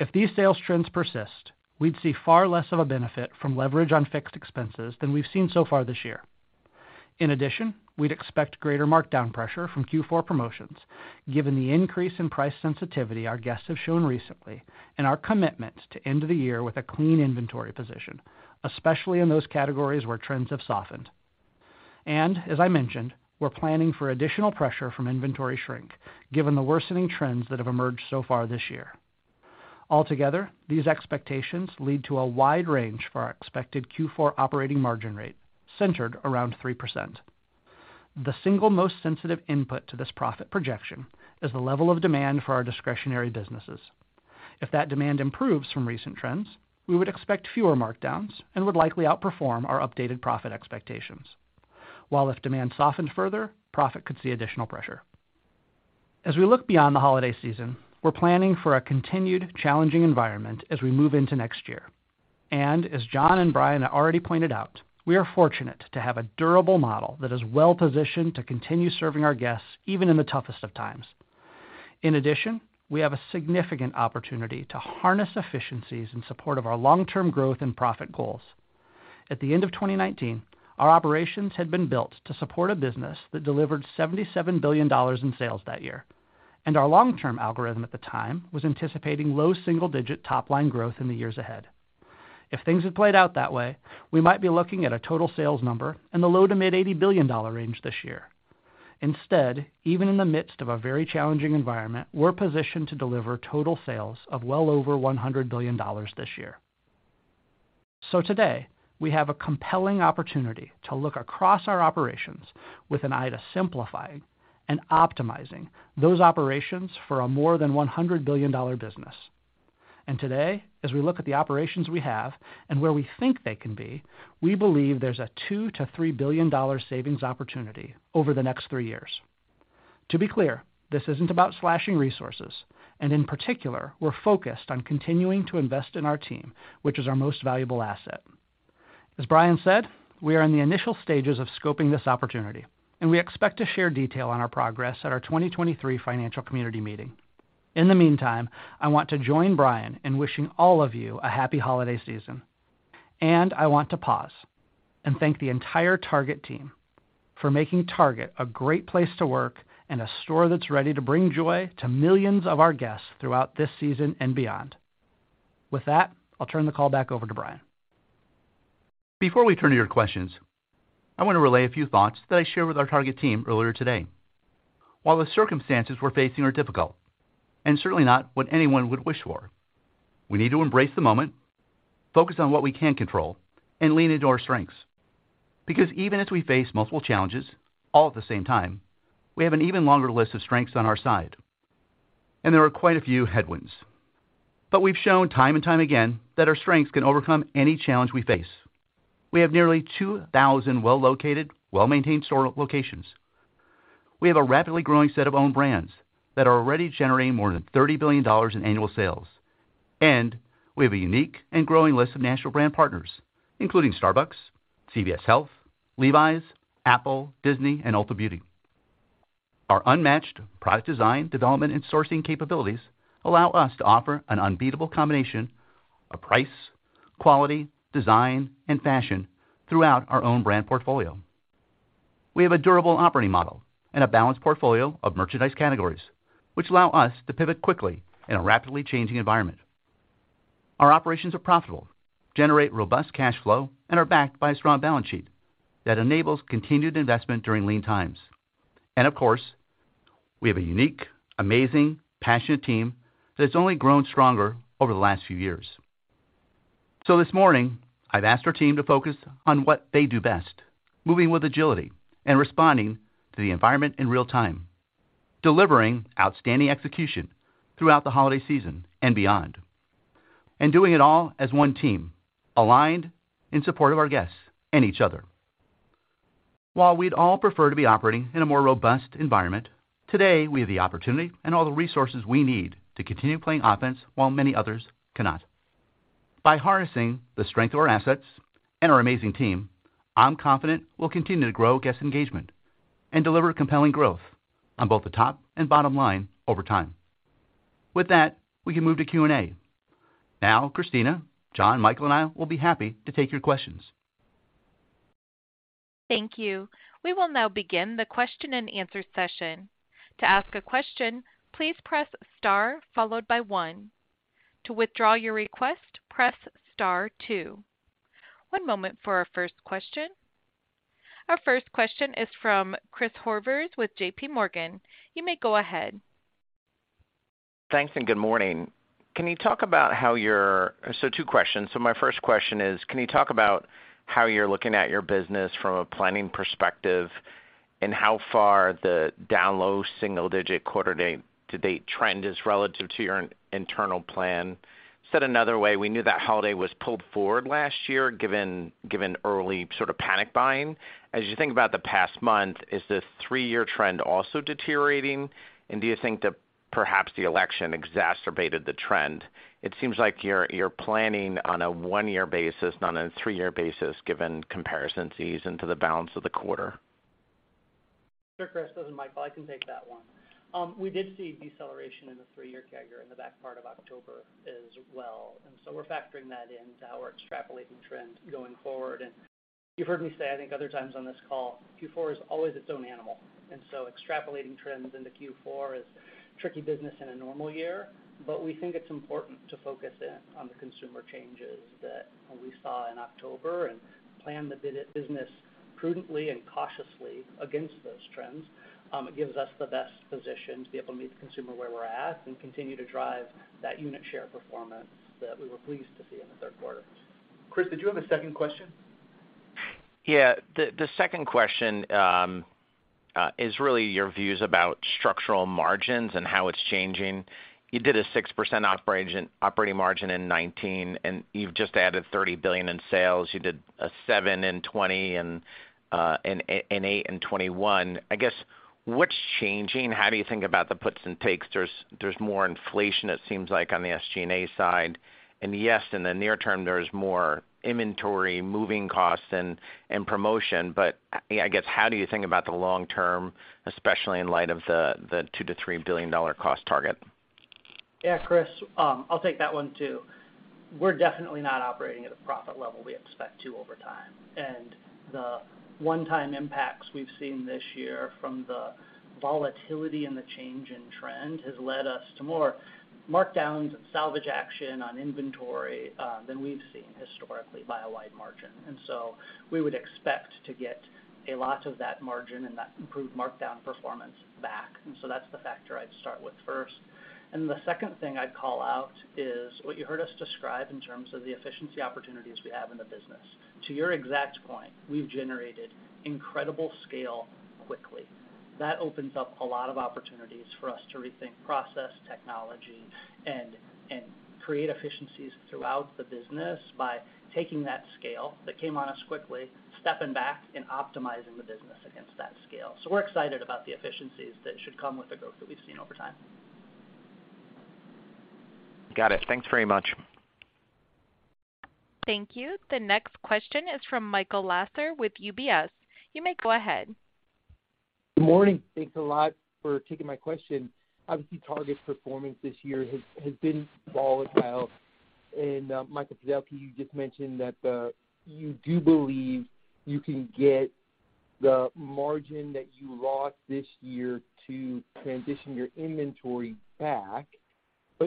Speaker 6: If these sales trends persist, we'd see far less of a benefit from leverage on fixed expenses than we've seen so far this year. In addition, we'd expect greater markdown pressure from Q4 promotions, given the increase in price sensitivity our guests have shown recently and our commitment to end the year with a clean inventory position, especially in those categories where trends have softened. As I mentioned, we're planning for additional pressure from inventory shrink, given the worsening trends that have emerged so far this year. Altogether, these expectations lead to a wide range for our expected Q4 operating margin rate centered around 3%. The single most sensitive input to this profit projection is the level of demand for our discretionary businesses. If that demand improves from recent trends, we would expect fewer markdowns and would likely outperform our updated profit expectations. While if demand softens further, profit could see additional pressure. As we look beyond the holiday season, we're planning for a continued challenging environment as we move into next year. As John and Brian already pointed out, we are fortunate to have a durable model that is well-positioned to continue serving our guests even in the toughest of times. In addition, we have a significant opportunity to harness efficiencies in support of our long-term growth and profit goals. At the end of 2019, our operations had been built to support a business that delivered $77 billion in sales that year, and our long-term algorithm at the time was anticipating low single-digit top-line growth in the years ahead. If things had played out that way, we might be looking at a total sales number in the low- to mid-$80 billion range this year. Instead, even in the midst of a very challenging environment, we're positioned to deliver total sales of well over $100 billion this year. Today, we have a compelling opportunity to look across our operations with an eye to simplifying and optimizing those operations for a more than $100 billion business. Today, as we look at the operations we have and where we think they can be, we believe there's a $2 billion-$3 billion savings opportunity over the next three years. To be clear, this isn't about slashing resources, and in particular, we're focused on continuing to invest in our team, which is our most valuable asset. As Brian said, we are in the initial stages of scoping this opportunity, and we expect to share detail on our progress at our 2023 financial community meeting. In the meantime, I want to join Brian in wishing all of you a happy holiday season, and I want to pause and thank the entire Target team for making Target a great place to work and a store that's ready to bring joy to millions of our guests throughout this season and beyond. With that, I'll turn the call back over to Brian.
Speaker 3: Before we turn to your questions, I want to relay a few thoughts that I shared with our Target team earlier today. While the circumstances we're facing are difficult and certainly not what anyone would wish for, we need to embrace the moment, focus on what we can control, and lean into our strengths. Because even as we face multiple challenges all at the same time, we have an even longer list of strengths on our side, and there are quite a few headwinds. We've shown time and time again that our strengths can overcome any challenge we face. We have nearly 2,000 well-located, well-maintained store locations. We have a rapidly growing set of own brands that are already generating more than $30 billion in annual sales. We have a unique and growing list of national brand partners, including Starbucks, CVS Health, Levi's, Apple, Disney, and Ulta Beauty. Our unmatched product design, development and sourcing capabilities allow us to offer an unbeatable combination of price, quality, design, and fashion throughout our own brand portfolio. We have a durable operating model and a balanced portfolio of merchandise categories, which allow us to pivot quickly in a rapidly changing environment. Our operations are profitable, generate robust cash flow, and are backed by a strong balance sheet that enables continued investment during lean times. Of course, we have a unique, amazing, passionate team that's only grown stronger over the last few years. This morning, I've asked our team to focus on what they do best, moving with agility and responding to the environment in real time, delivering outstanding execution throughout the holiday season and beyond, and doing it all as one team, aligned in support of our guests and each other. While we'd all prefer to be operating in a more robust environment, today, we have the opportunity and all the resources we need to continue playing offense while many others cannot. By harnessing the strength of our assets and our amazing team, I'm confident we'll continue to grow guest engagement and deliver compelling growth on both the top and bottom line over time. With that, we can move to Q&A. Now, Christina, John, Michael, and I will be happy to take your questions.
Speaker 1: Thank you. We will now begin the question-and-answer session. To ask a question, please press star followed by one. To withdraw your request, press star two. One moment for our first question. Our first question is from Christopher Horvers with JP Morgan. You may go ahead.
Speaker 7: Thanks, good morning. Two questions. My first question is, can you talk about how you're looking at your business from a planning perspective and how far the down, low single-digit quarter-to-date trend is relative to your internal plan? Said another way, we knew that holiday was pulled forward last year, given early sort of panic buying. As you think about the past month, is this three-year trend also deteriorating? Do you think that perhaps the election exacerbated the trend? It seems like you're planning on a one-year basis, not on a three-year basis, given comps in the balance of the quarter.
Speaker 6: Sure, Christopher. This is Michael. I can take that one. We did see deceleration in the three-year CAGR in the back part of October as well. We're factoring that into our extrapolating trends going forward. You've heard me say, I think other times on this call, Q4 is always its own animal, and so extrapolating trends into Q4 is tricky business in a normal year. We think it's important to focus in on the consumer changes that we saw in October and plan the business prudently and cautiously against those trends. It gives us the best position to be able to meet the consumer where we're at and continue to drive that unit share performance that we were pleased to see in the third quarter. Christopher, did you have a second question?
Speaker 7: Yeah. The second question is really your views about structural margins and how it's changing. You did a 6% operating margin in 2019, and you've just added $30 billion in sales. You did a 7% in 2020 and an 8% in 2021. I guess, what's changing? How do you think about the puts and takes? There's more inflation, it seems like, on the SG&A side. Yes, in the near term, there's more inventory, moving costs and promotion. But I guess, how do you think about the long term, especially in light of the $2 billion-$3 billion cost target?
Speaker 6: Yeah, Christopher, I'll take that one too. We're definitely not operating at a profit level we expect to over time, and the one-time impacts we've seen this year from the volatility and the change in trend has led us to more markdowns and salvage action on inventory, than we've seen historically by a wide margin. We would expect to get a lot of that margin and that improved markdown performance back. The second thing I'd call out is what you heard us describe in terms of the efficiency opportunities we have in the business. To your exact point, we've generated incredible scale quickly. That opens up a lot of opportunities for us to rethink process, technology, and create efficiencies throughout the business by taking that scale that came on us quickly, stepping back and optimizing the business against that scale. We're excited about the efficiencies that should come with the growth that we've seen over time.
Speaker 7: Got it. Thanks very much.
Speaker 1: Thank you. The next question is from Michael Lasser with UBS. You may go ahead.
Speaker 8: Good morning. Thanks a lot for taking my question. Obviously, Target's performance this year has been volatile. Michael Fiddelke, you just mentioned that you do believe you can get the margin that you lost this year to transition your inventory back.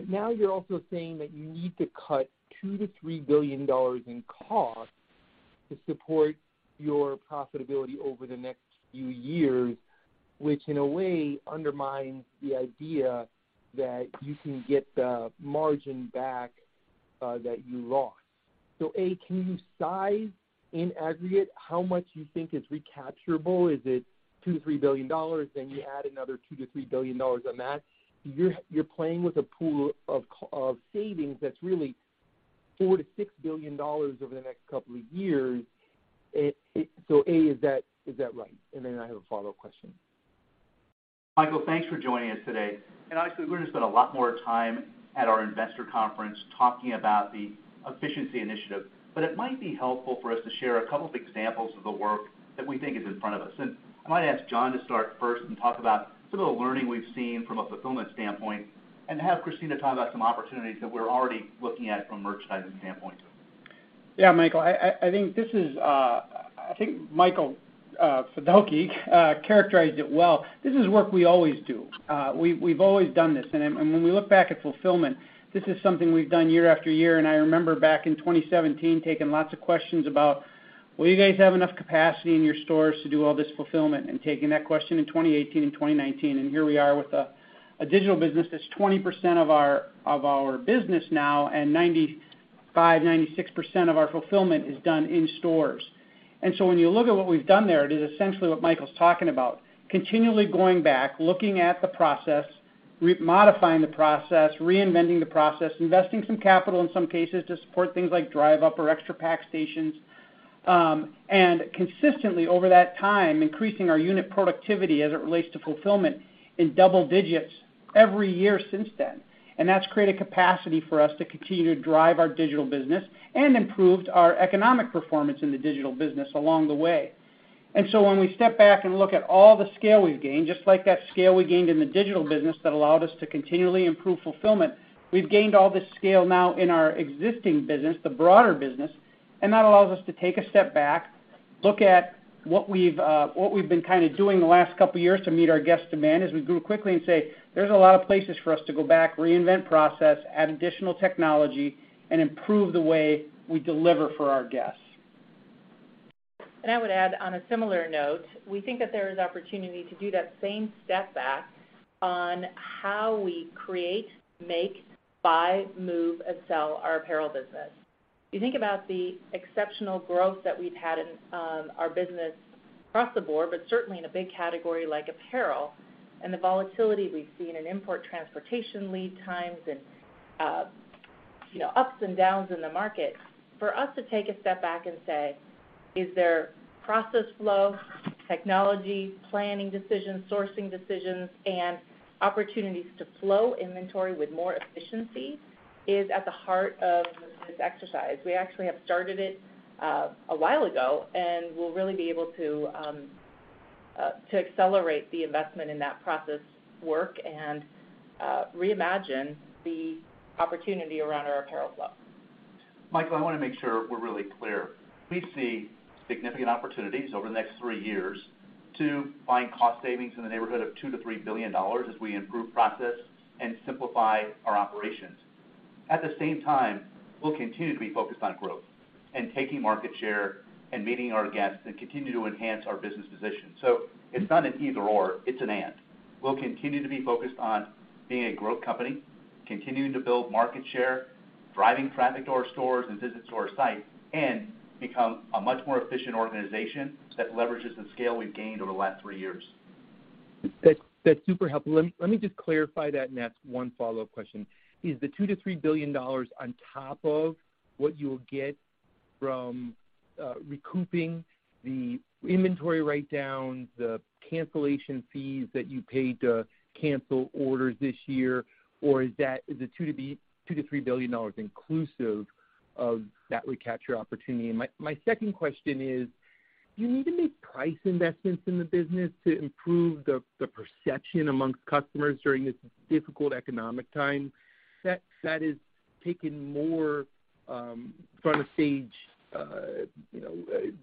Speaker 8: Now you're also saying that you need to cut $2 billion-$3 billion in costs to support your profitability over the next few years, which in a way undermines the idea that you can get the margin back that you lost. A, can you size in aggregate how much you think is recapturable? Is it $2 billion-$3 billion, then you add another $2 billion-$3 billion on that? You're playing with a pool of savings that's really $4 billion-$6 billion over the next couple of years. A, is that right? And then I have a follow-up question.
Speaker 6: Michael, thanks for joining us today. Honestly, we're gonna spend a lot more time at our investor conference talking about the efficiency initiative. It might be helpful for us to share a couple of examples of the work that we think is in front of us. I might ask John to start first and talk about some of the learning we've seen from a fulfillment standpoint and have Christina talk about some opportunities that we're already looking at from a merchandising standpoint.
Speaker 3: Yeah, Michael, I think Michael Fiddelke characterized it well. This is work we always do. We've always done this. When we look back at fulfillment, this is something we've done year after year. I remember back in 2017 taking lots of questions about will you guys have enough capacity in your stores to do all this fulfillment. Taking that question in 2018 and 2019. Here we are with a digital business that's 20% of our business now, and 95%-96% of our fulfillment is done in stores. When you look at what we've done there, it is essentially what Michael's talking about. Continually going back, looking at the process, re-modifying the process, reinventing the process, investing some capital in some cases to support things like Drive Up or extra pack stations, and consistently over that time, increasing our unit productivity as it relates to fulfillment in double digits every year since then. That's created capacity for us to continue to drive our digital business and improved our economic performance in the digital business along the way. When we step back and look at all the scale we've gained, just like that scale we gained in the digital business that allowed us to continually improve fulfillment, we've gained all this scale now in our existing business, the broader business, and that allows us to take a step back, look at what we've been kinda doing the last couple of years to meet our guest demand as we grew quickly and say, there's a lot of places for us to go back, reinvent process, add additional technology, and improve the way we deliver for our guests.
Speaker 4: I would add on a similar note, we think that there is opportunity to do that same step back on how we create, make, buy, move, and sell our apparel business. You think about the exceptional growth that we've had in our business across the board, but certainly in a big category like apparel, and the volatility we've seen in import transportation lead times and you know, ups and downs in the market. For us to take a step back and say, is there process flow, technology, planning decisions, sourcing decisions, and opportunities to flow inventory with more efficiency is at the heart of this exercise. We actually have started it a while ago, and we'll really be able to to accelerate the investment in that process work and reimagine the opportunity around our apparel flow.
Speaker 5: Michael, I wanna make sure we're really clear. We see significant opportunities over the next three years to find cost savings in the neighborhood of $2 billion-$3 billion as we improve process and simplify our operations. At the same time, we'll continue to be focused on growth and taking market share and meeting our guests and continue to enhance our business position. It's not an either/or, it's an and. We'll continue to be focused on being a growth company, continuing to build market share, driving traffic to our stores and visits to our site, and become a much more efficient organization that leverages the scale we've gained over the last three years.
Speaker 8: That's super helpful. Let me just clarify that and ask one follow-up question. Is the $2 billion-$3 billion on top of what you'll get from recouping the inventory write-downs, the cancellation fees that you paid to cancel orders this year? Or is that the $2 billion-$3 billion inclusive of that recapture opportunity? My second question is... Do you need to make price investments in the business to improve the perception among customers during this difficult economic time? That is taking more front and center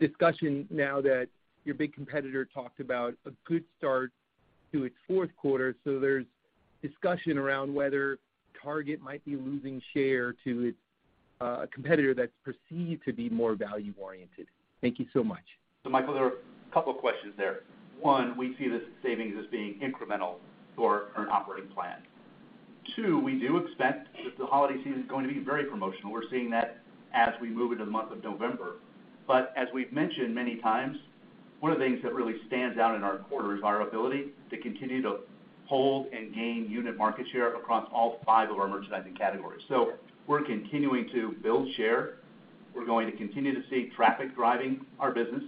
Speaker 8: discussion now that your big competitor talked about a good start to its fourth quarter. There's discussion around whether Target might be losing share to its competitor that's perceived to be more value-oriented. Thank you so much.
Speaker 5: Michael, there are a couple of questions there. One, we see the savings as being incremental to our current operating plan. Two, we do expect that the holiday season is going to be very promotional. We're seeing that as we move into the month of November. As we've mentioned many times, one of the things that really stands out in our quarter is our ability to continue to hold and gain unit market share across all five of our merchandising categories. We're continuing to build share. We're going to continue to see traffic driving our business,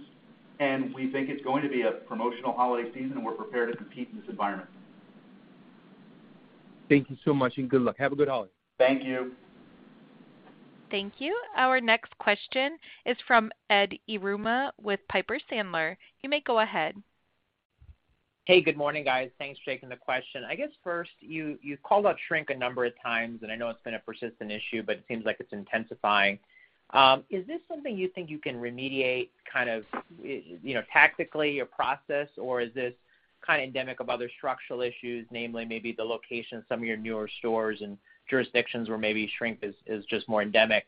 Speaker 5: and we think it's going to be a promotional holiday season, and we're prepared to compete in this environment.
Speaker 8: Thank you so much, and good luck. Have a good holiday.
Speaker 6: Thank you.
Speaker 1: Thank you. Our next question is from Edward Yruma with Piper Sandler. You may go ahead.
Speaker 9: Hey, good morning, guys. Thanks, Jake. The question, I guess first, you called out shrink a number of times, and I know it's been a persistent issue, but it seems like it's intensifying. Is this something you think you can remediate kind of, you know, tactically or process? Or is this kinda endemic of other structural issues, namely maybe the location of some of your newer stores and jurisdictions where maybe shrink is just more endemic?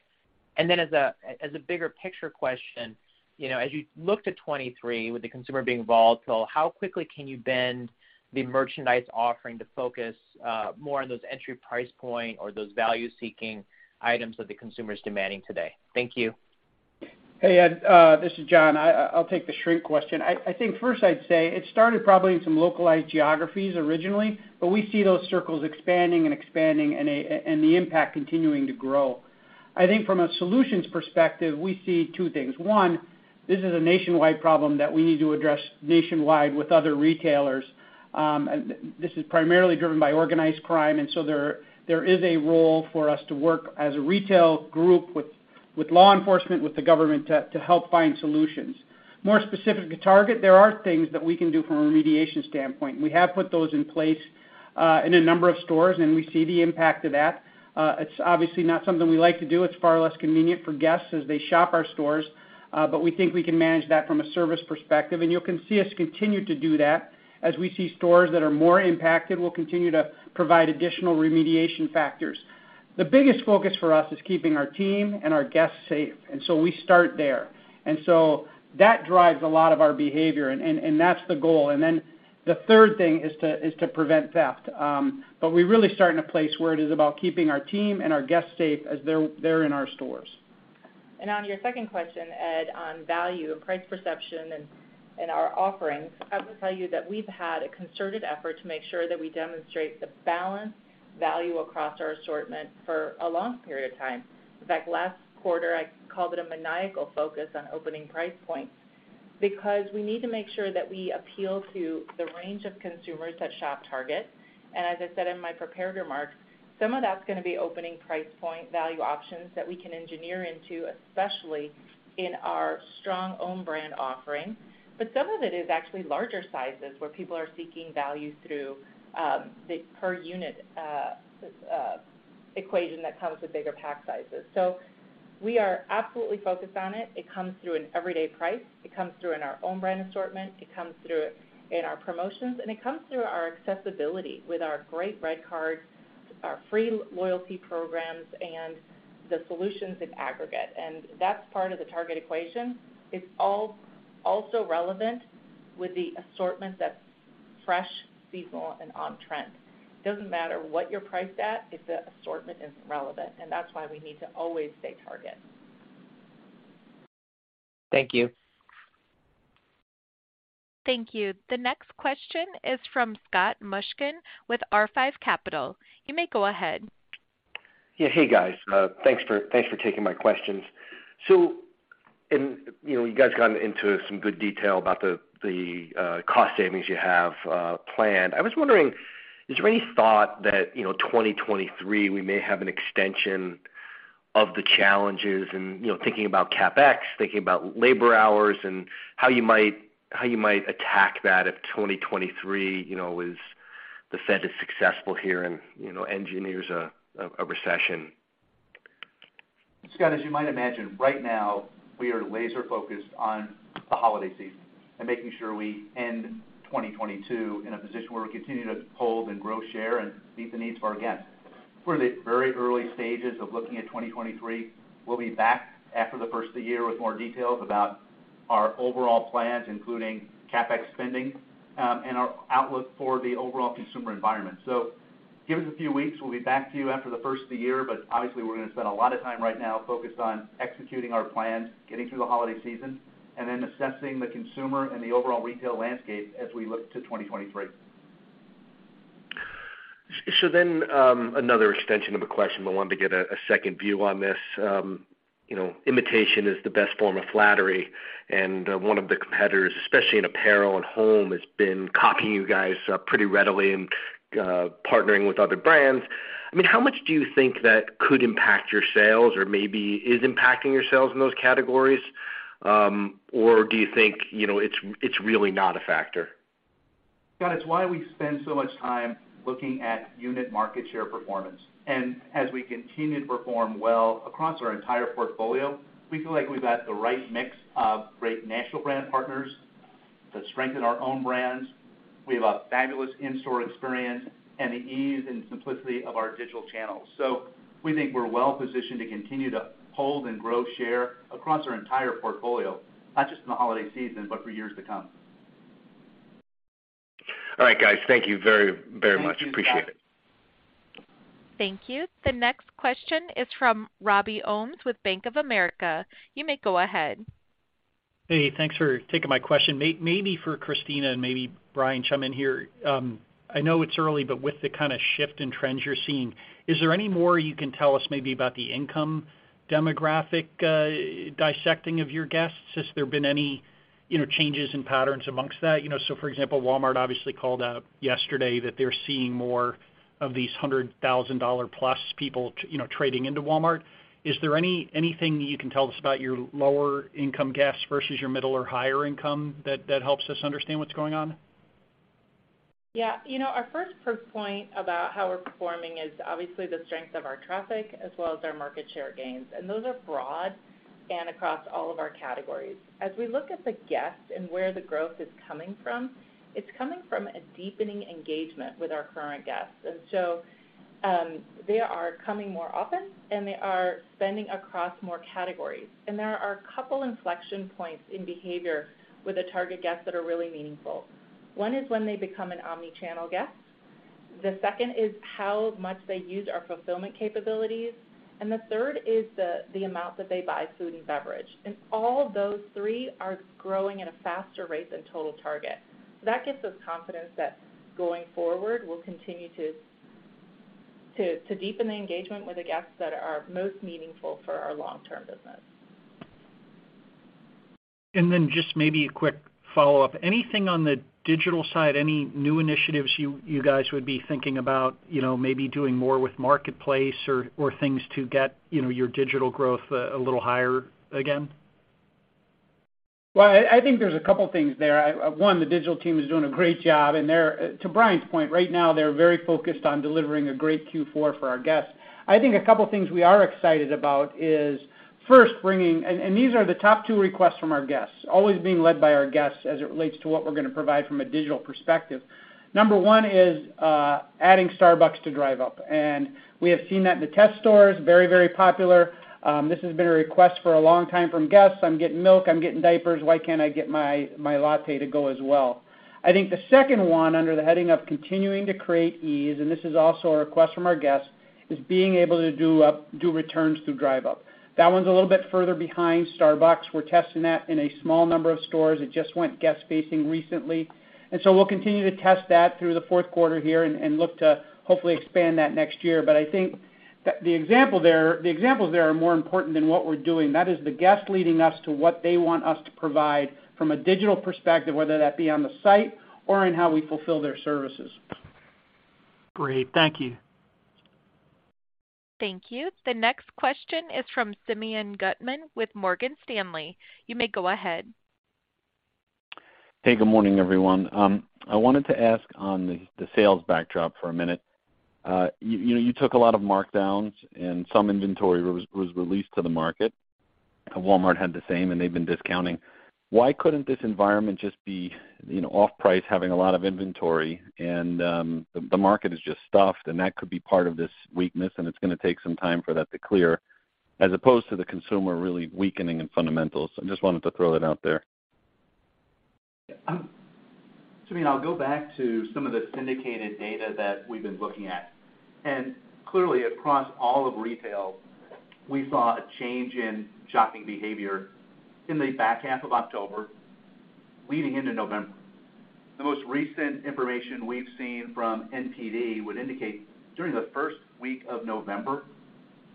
Speaker 9: As a bigger picture question, you know, as you look to 2023 with the consumer being volatile, how quickly can you bend the merchandise offering to focus more on those entry price point or those value-seeking items that the consumer is demanding today? Thank you.
Speaker 5: Hey, Edward, this is John. I'll take the shrink question. I think first I'd say it started probably in some localized geographies originally, but we see those circles expanding and the impact continuing to grow. I think from a solutions perspective, we see two things. One, this is a nationwide problem that we need to address nationwide with other retailers. This is primarily driven by organized crime, and so there is a role for us to work as a retail group with law enforcement, with the government to help find solutions. More specific to Target, there are things that we can do from a remediation standpoint. We have put those in place in a number of stores, and we see the impact of that. It's obviously not something we like to do. It's far less convenient for guests as they shop our stores, but we think we can manage that from a service perspective, and you can see us continue to do that. As we see stores that are more impacted, we'll continue to provide additional remediation factors. The biggest focus for us is keeping our team and our guests safe, and so we start there. That drives a lot of our behavior, and that's the goal. The third thing is to prevent theft. We really start in a place where it is about keeping our team and our guests safe as they're in our stores.
Speaker 4: On your second question, Edward, on value and price perception and our offerings, I will tell you that we've had a concerted effort to make sure that we demonstrate the balanced value across our assortment for a long period of time. In fact, last quarter, I called it a maniacal focus on opening price points because we need to make sure that we appeal to the range of consumers that shop Target. As I said in my prepared remarks, some of that's gonna be opening price point value options that we can engineer into, especially in our strong own brand offering. Some of it is actually larger sizes where people are seeking value through the per unit equation that comes with bigger pack sizes. We are absolutely focused on it. It comes through in everyday price. It comes through in our own brand assortment. It comes through in our promotions, and it comes through our accessibility with our great RedCard, our free loyalty programs, and the solutions in aggregate. That's part of the Target equation. It's all, also relevant with the assortment that's fresh, seasonal, and on-trend. It doesn't matter what you're priced at if the assortment isn't relevant, and that's why we need to always stay Target.
Speaker 9: Thank you.
Speaker 1: Thank you. The next question is from Scott Mushkin with R5 Capital. You may go ahead.
Speaker 10: Yeah. Hey, guys. Thanks for taking my questions. You know, you guys got into some good detail about the cost savings you have planned. I was wondering, is there any thought that, you know, 2023, we may have an extension of the challenges and, you know, thinking about CapEx, thinking about labor hours and how you might attack that if 2023, you know, is the Fed is successful here and, you know, engineers a recession?
Speaker 5: Scott, as you might imagine, right now we are laser focused on the holiday season and making sure we end 2022 in a position where we continue to hold and grow share and meet the needs of our guests. We're in the very early stages of looking at 2023. We'll be back after the first of the year with more details about our overall plans, including CapEx spending, and our outlook for the overall consumer environment. Give us a few weeks. We'll be back to you after the first of the year, but obviously, we're gonna spend a lot of time right now focused on executing our plans, getting through the holiday season, and then assessing the consumer and the overall retail landscape as we look to 2023.
Speaker 10: Another extension of a question, but wanted to get a second view on this. You know, imitation is the best form of flattery, and one of the competitors, especially in apparel and home, has been copying you guys pretty readily and partnering with other brands. I mean, how much do you think that could impact your sales or maybe is impacting your sales in those categories? Do you think, you know, it's really not a factor?
Speaker 5: Scott, it's why we spend so much time looking at unit market share performance. As we continue to perform well across our entire portfolio, we feel like we've got the right mix of great national brand partners to strengthen our own brands. We have a fabulous in-store experience and the ease and simplicity of our digital channels. We think we're well positioned to continue to hold and grow share across our entire portfolio, not just in the holiday season, but for years to come.
Speaker 10: All right, guys, thank you very, very much.
Speaker 3: Thank you, Scott.
Speaker 10: Appreciate it.
Speaker 1: Thank you. The next question is from Robert Ohmes with Bank of America. You may go ahead.
Speaker 11: Hey, thanks for taking my question. Maybe for Christina and maybe Brian chime in here. I know it's early, but with the kinda shift in trends you're seeing, is there any more you can tell us maybe about the income demographic, dissecting of your guests? Has there been any, you know, changes in patterns amongst that? You know, so for example, Walmart obviously called out yesterday that they're seeing more of these $100,000+ people, you know, trading into Walmart. Is there anything that you can tell us about your lower income guests versus your middle or higher income that helps us understand what's going on?
Speaker 4: Yeah. You know, our first proof point about how we're performing is obviously the strength of our traffic as well as our market share gains. Those are broad and across all of our categories. As we look at the guests and where the growth is coming from, it's coming from a deepening engagement with our current guests. They are coming more often, and they are spending across more categories. There are a couple inflection points in behavior with the Target guests that are really meaningful. One is when they become an omni-channel guest. The second is how much they use our fulfillment capabilities. The third is the amount that they buy food and beverage. All of those three are growing at a faster rate than total Target. that gives us confidence that going forward, we'll continue to deepen the engagement with the guests that are most meaningful for our long-term business.
Speaker 11: Just maybe a quick follow-up. Anything on the digital side, any new initiatives you guys would be thinking about, you know, maybe doing more with Marketplace or things to get, you know, your digital growth a little higher again?
Speaker 6: Well, I think there's a couple things there. One, the digital team is doing a great job, and they're. To Brian's point, right now, they're very focused on delivering a great Q4 for our guests. I think a couple things we are excited about is, first, these are the top two requests from our guests, always being led by our guests as it relates to what we're gonna provide from a digital perspective. Number one is adding Starbucks to Drive Up. And we have seen that in the test stores, very, very popular. This has been a request for a long time from guests. I'm getting milk, I'm getting diapers, why can't I get my latte to go as well? I think the second one under the heading of continuing to create ease, and this is also a request from our guests, is being able to do returns through Drive Up. That one's a little bit further behind Starbucks. We're testing that in a small number of stores. It just went guest-facing recently. We'll continue to test that through the fourth quarter here and look to hopefully expand that next year. But I think the examples there are more important than what we're doing. That is the guest leading us to what they want us to provide from a digital perspective, whether that be on the site or in how we fulfill their services.
Speaker 11: Great. Thank you.
Speaker 1: Thank you. The next question is from Simeon Gutman with Morgan Stanley. You may go ahead.
Speaker 12: Hey, good morning, everyone. I wanted to ask on the sales backdrop for a minute. You know, you took a lot of markdowns and some inventory was released to the market, and Walmart had the same, and they've been discounting. Why couldn't this environment just be, you know, off-price having a lot of inventory and the market is just stuffed and that could be part of this weakness and it's gonna take some time for that to clear, as opposed to the consumer really weakening in fundamentals? I just wanted to throw that out there.
Speaker 6: Simeon, I'll go back to some of the syndicated data that we've been looking at. Clearly, across all of retail, we saw a change in shopping behavior in the back half of October leading into November. The most recent information we've seen from NPD would indicate during the first week of November,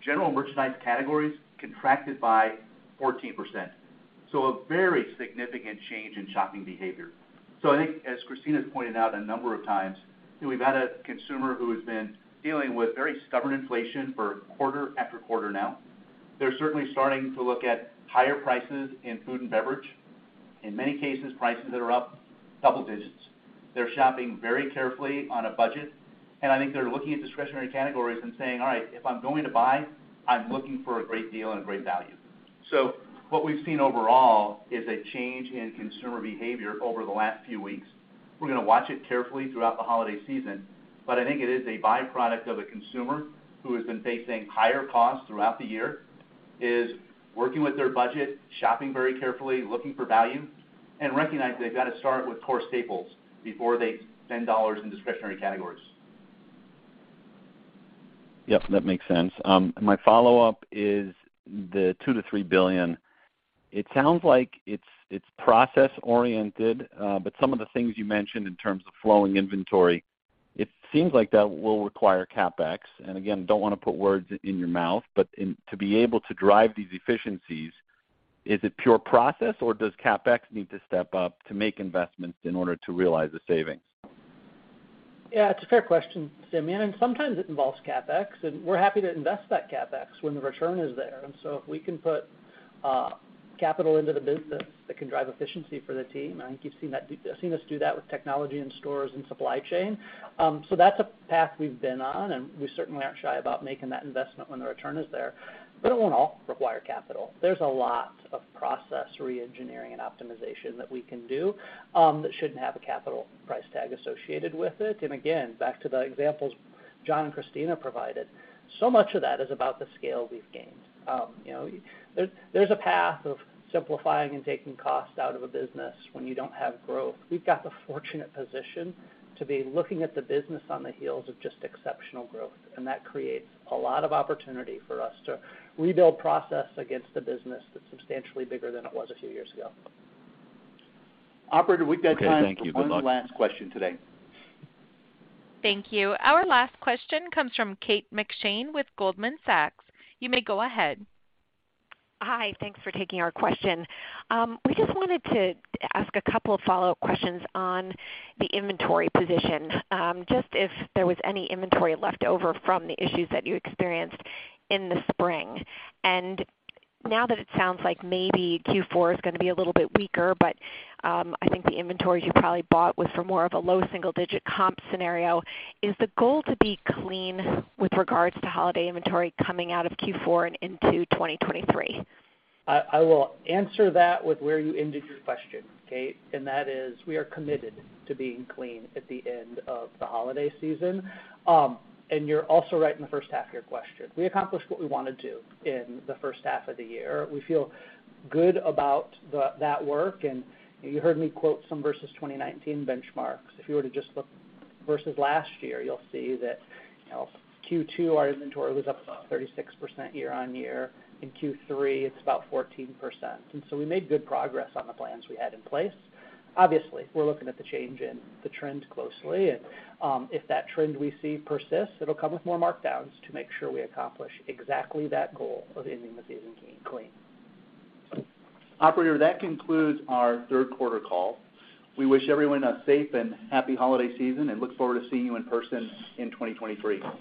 Speaker 6: general merchandise categories contracted by 14%. A very significant change in shopping behavior. I think as Kristina's pointed out a number of times, we've had a consumer who has been dealing with very stubborn inflation for quarter after quarter now. They're certainly starting to look at higher prices in food and beverage, in many cases, prices that are up double digits. They're shopping very carefully on a budget. I think they're looking at discretionary categories and saying, "All right, if I'm going to buy, I'm looking for a great deal and a great value." What we've seen overall is a change in consumer behavior over the last few weeks. We're gonna watch it carefully throughout the holiday season. I think it is a by-product of a consumer who has been facing higher costs throughout the year, is working with their budget, shopping very carefully, looking for value, and recognize they've got to start with core staples before they spend dollars in discretionary categories.
Speaker 12: Yep, that makes sense. My follow-up is the $2 billion-3 billion. It sounds like it's process-oriented, but some of the things you mentioned in terms of flowing inventory, it seems like that will require CapEx. Again, don't wanna put words in your mouth, but to be able to drive these efficiencies. Is it pure process or does CapEx need to step up to make investments in order to realize the savings?
Speaker 3: Yeah, it's a fair question, Simeon, and sometimes it involves CapEx, and we're happy to invest that CapEx when the return is there. If we can put capital into the business that can drive efficiency for the team, and I think you've seen us do that with technology in stores and supply chain. That's a path we've been on, and we certainly aren't shy about making that investment when the return is there. It won't all require capital. There's a lot of process reengineering and optimization that we can do that shouldn't have a capital price tag associated with it. Again, back to the examples John and Christina provided, so much of that is about the scale we've gained. You know, there's a path of simplifying and taking costs out of a business when you don't have growth. We've got the fortunate position to be looking at the business on the heels of just exceptional growth, and that creates a lot of opportunity for us to rebuild process against the business that's substantially bigger than it was a few years ago.
Speaker 2: Operator, we've got time for one last question today.
Speaker 1: Thank you. Our last question comes from Kate McShane with Goldman Sachs. You may go ahead.
Speaker 13: Hi. Thanks for taking our question. We just wanted to ask a couple of follow-up questions on the inventory position, just if there was any inventory left over from the issues that you experienced in the spring. Now that it sounds like maybe Q4 is gonna be a little bit weaker, but I think the inventory you probably bought was for more of a low single digit comp scenario. Is the goal to be clean with regards to holiday inventory coming out of Q4 and into 2023?
Speaker 5: I will answer that with where you ended your question, Kate, and that is we are committed to being clean at the end of the holiday season. You're also right in the first half of your question. We accomplished what we wanna do in the first half of the year. We feel good about that work, and you heard me quote some versus 2019 benchmarks. If you were to just look versus last year, you'll see that, you know, Q2, our inventory was up about 36% year-on-year. In Q3, it's about 14%. We made good progress on the plans we had in place. Obviously, we're looking at the change in the trend closely, and if that trend we see persists, it'll come with more markdowns to make sure we accomplish exactly that goal of ending the season clean.
Speaker 2: Operator, that concludes our third quarter call. We wish everyone a safe and happy holiday season and look forward to seeing you in person in 2023. Goodbye.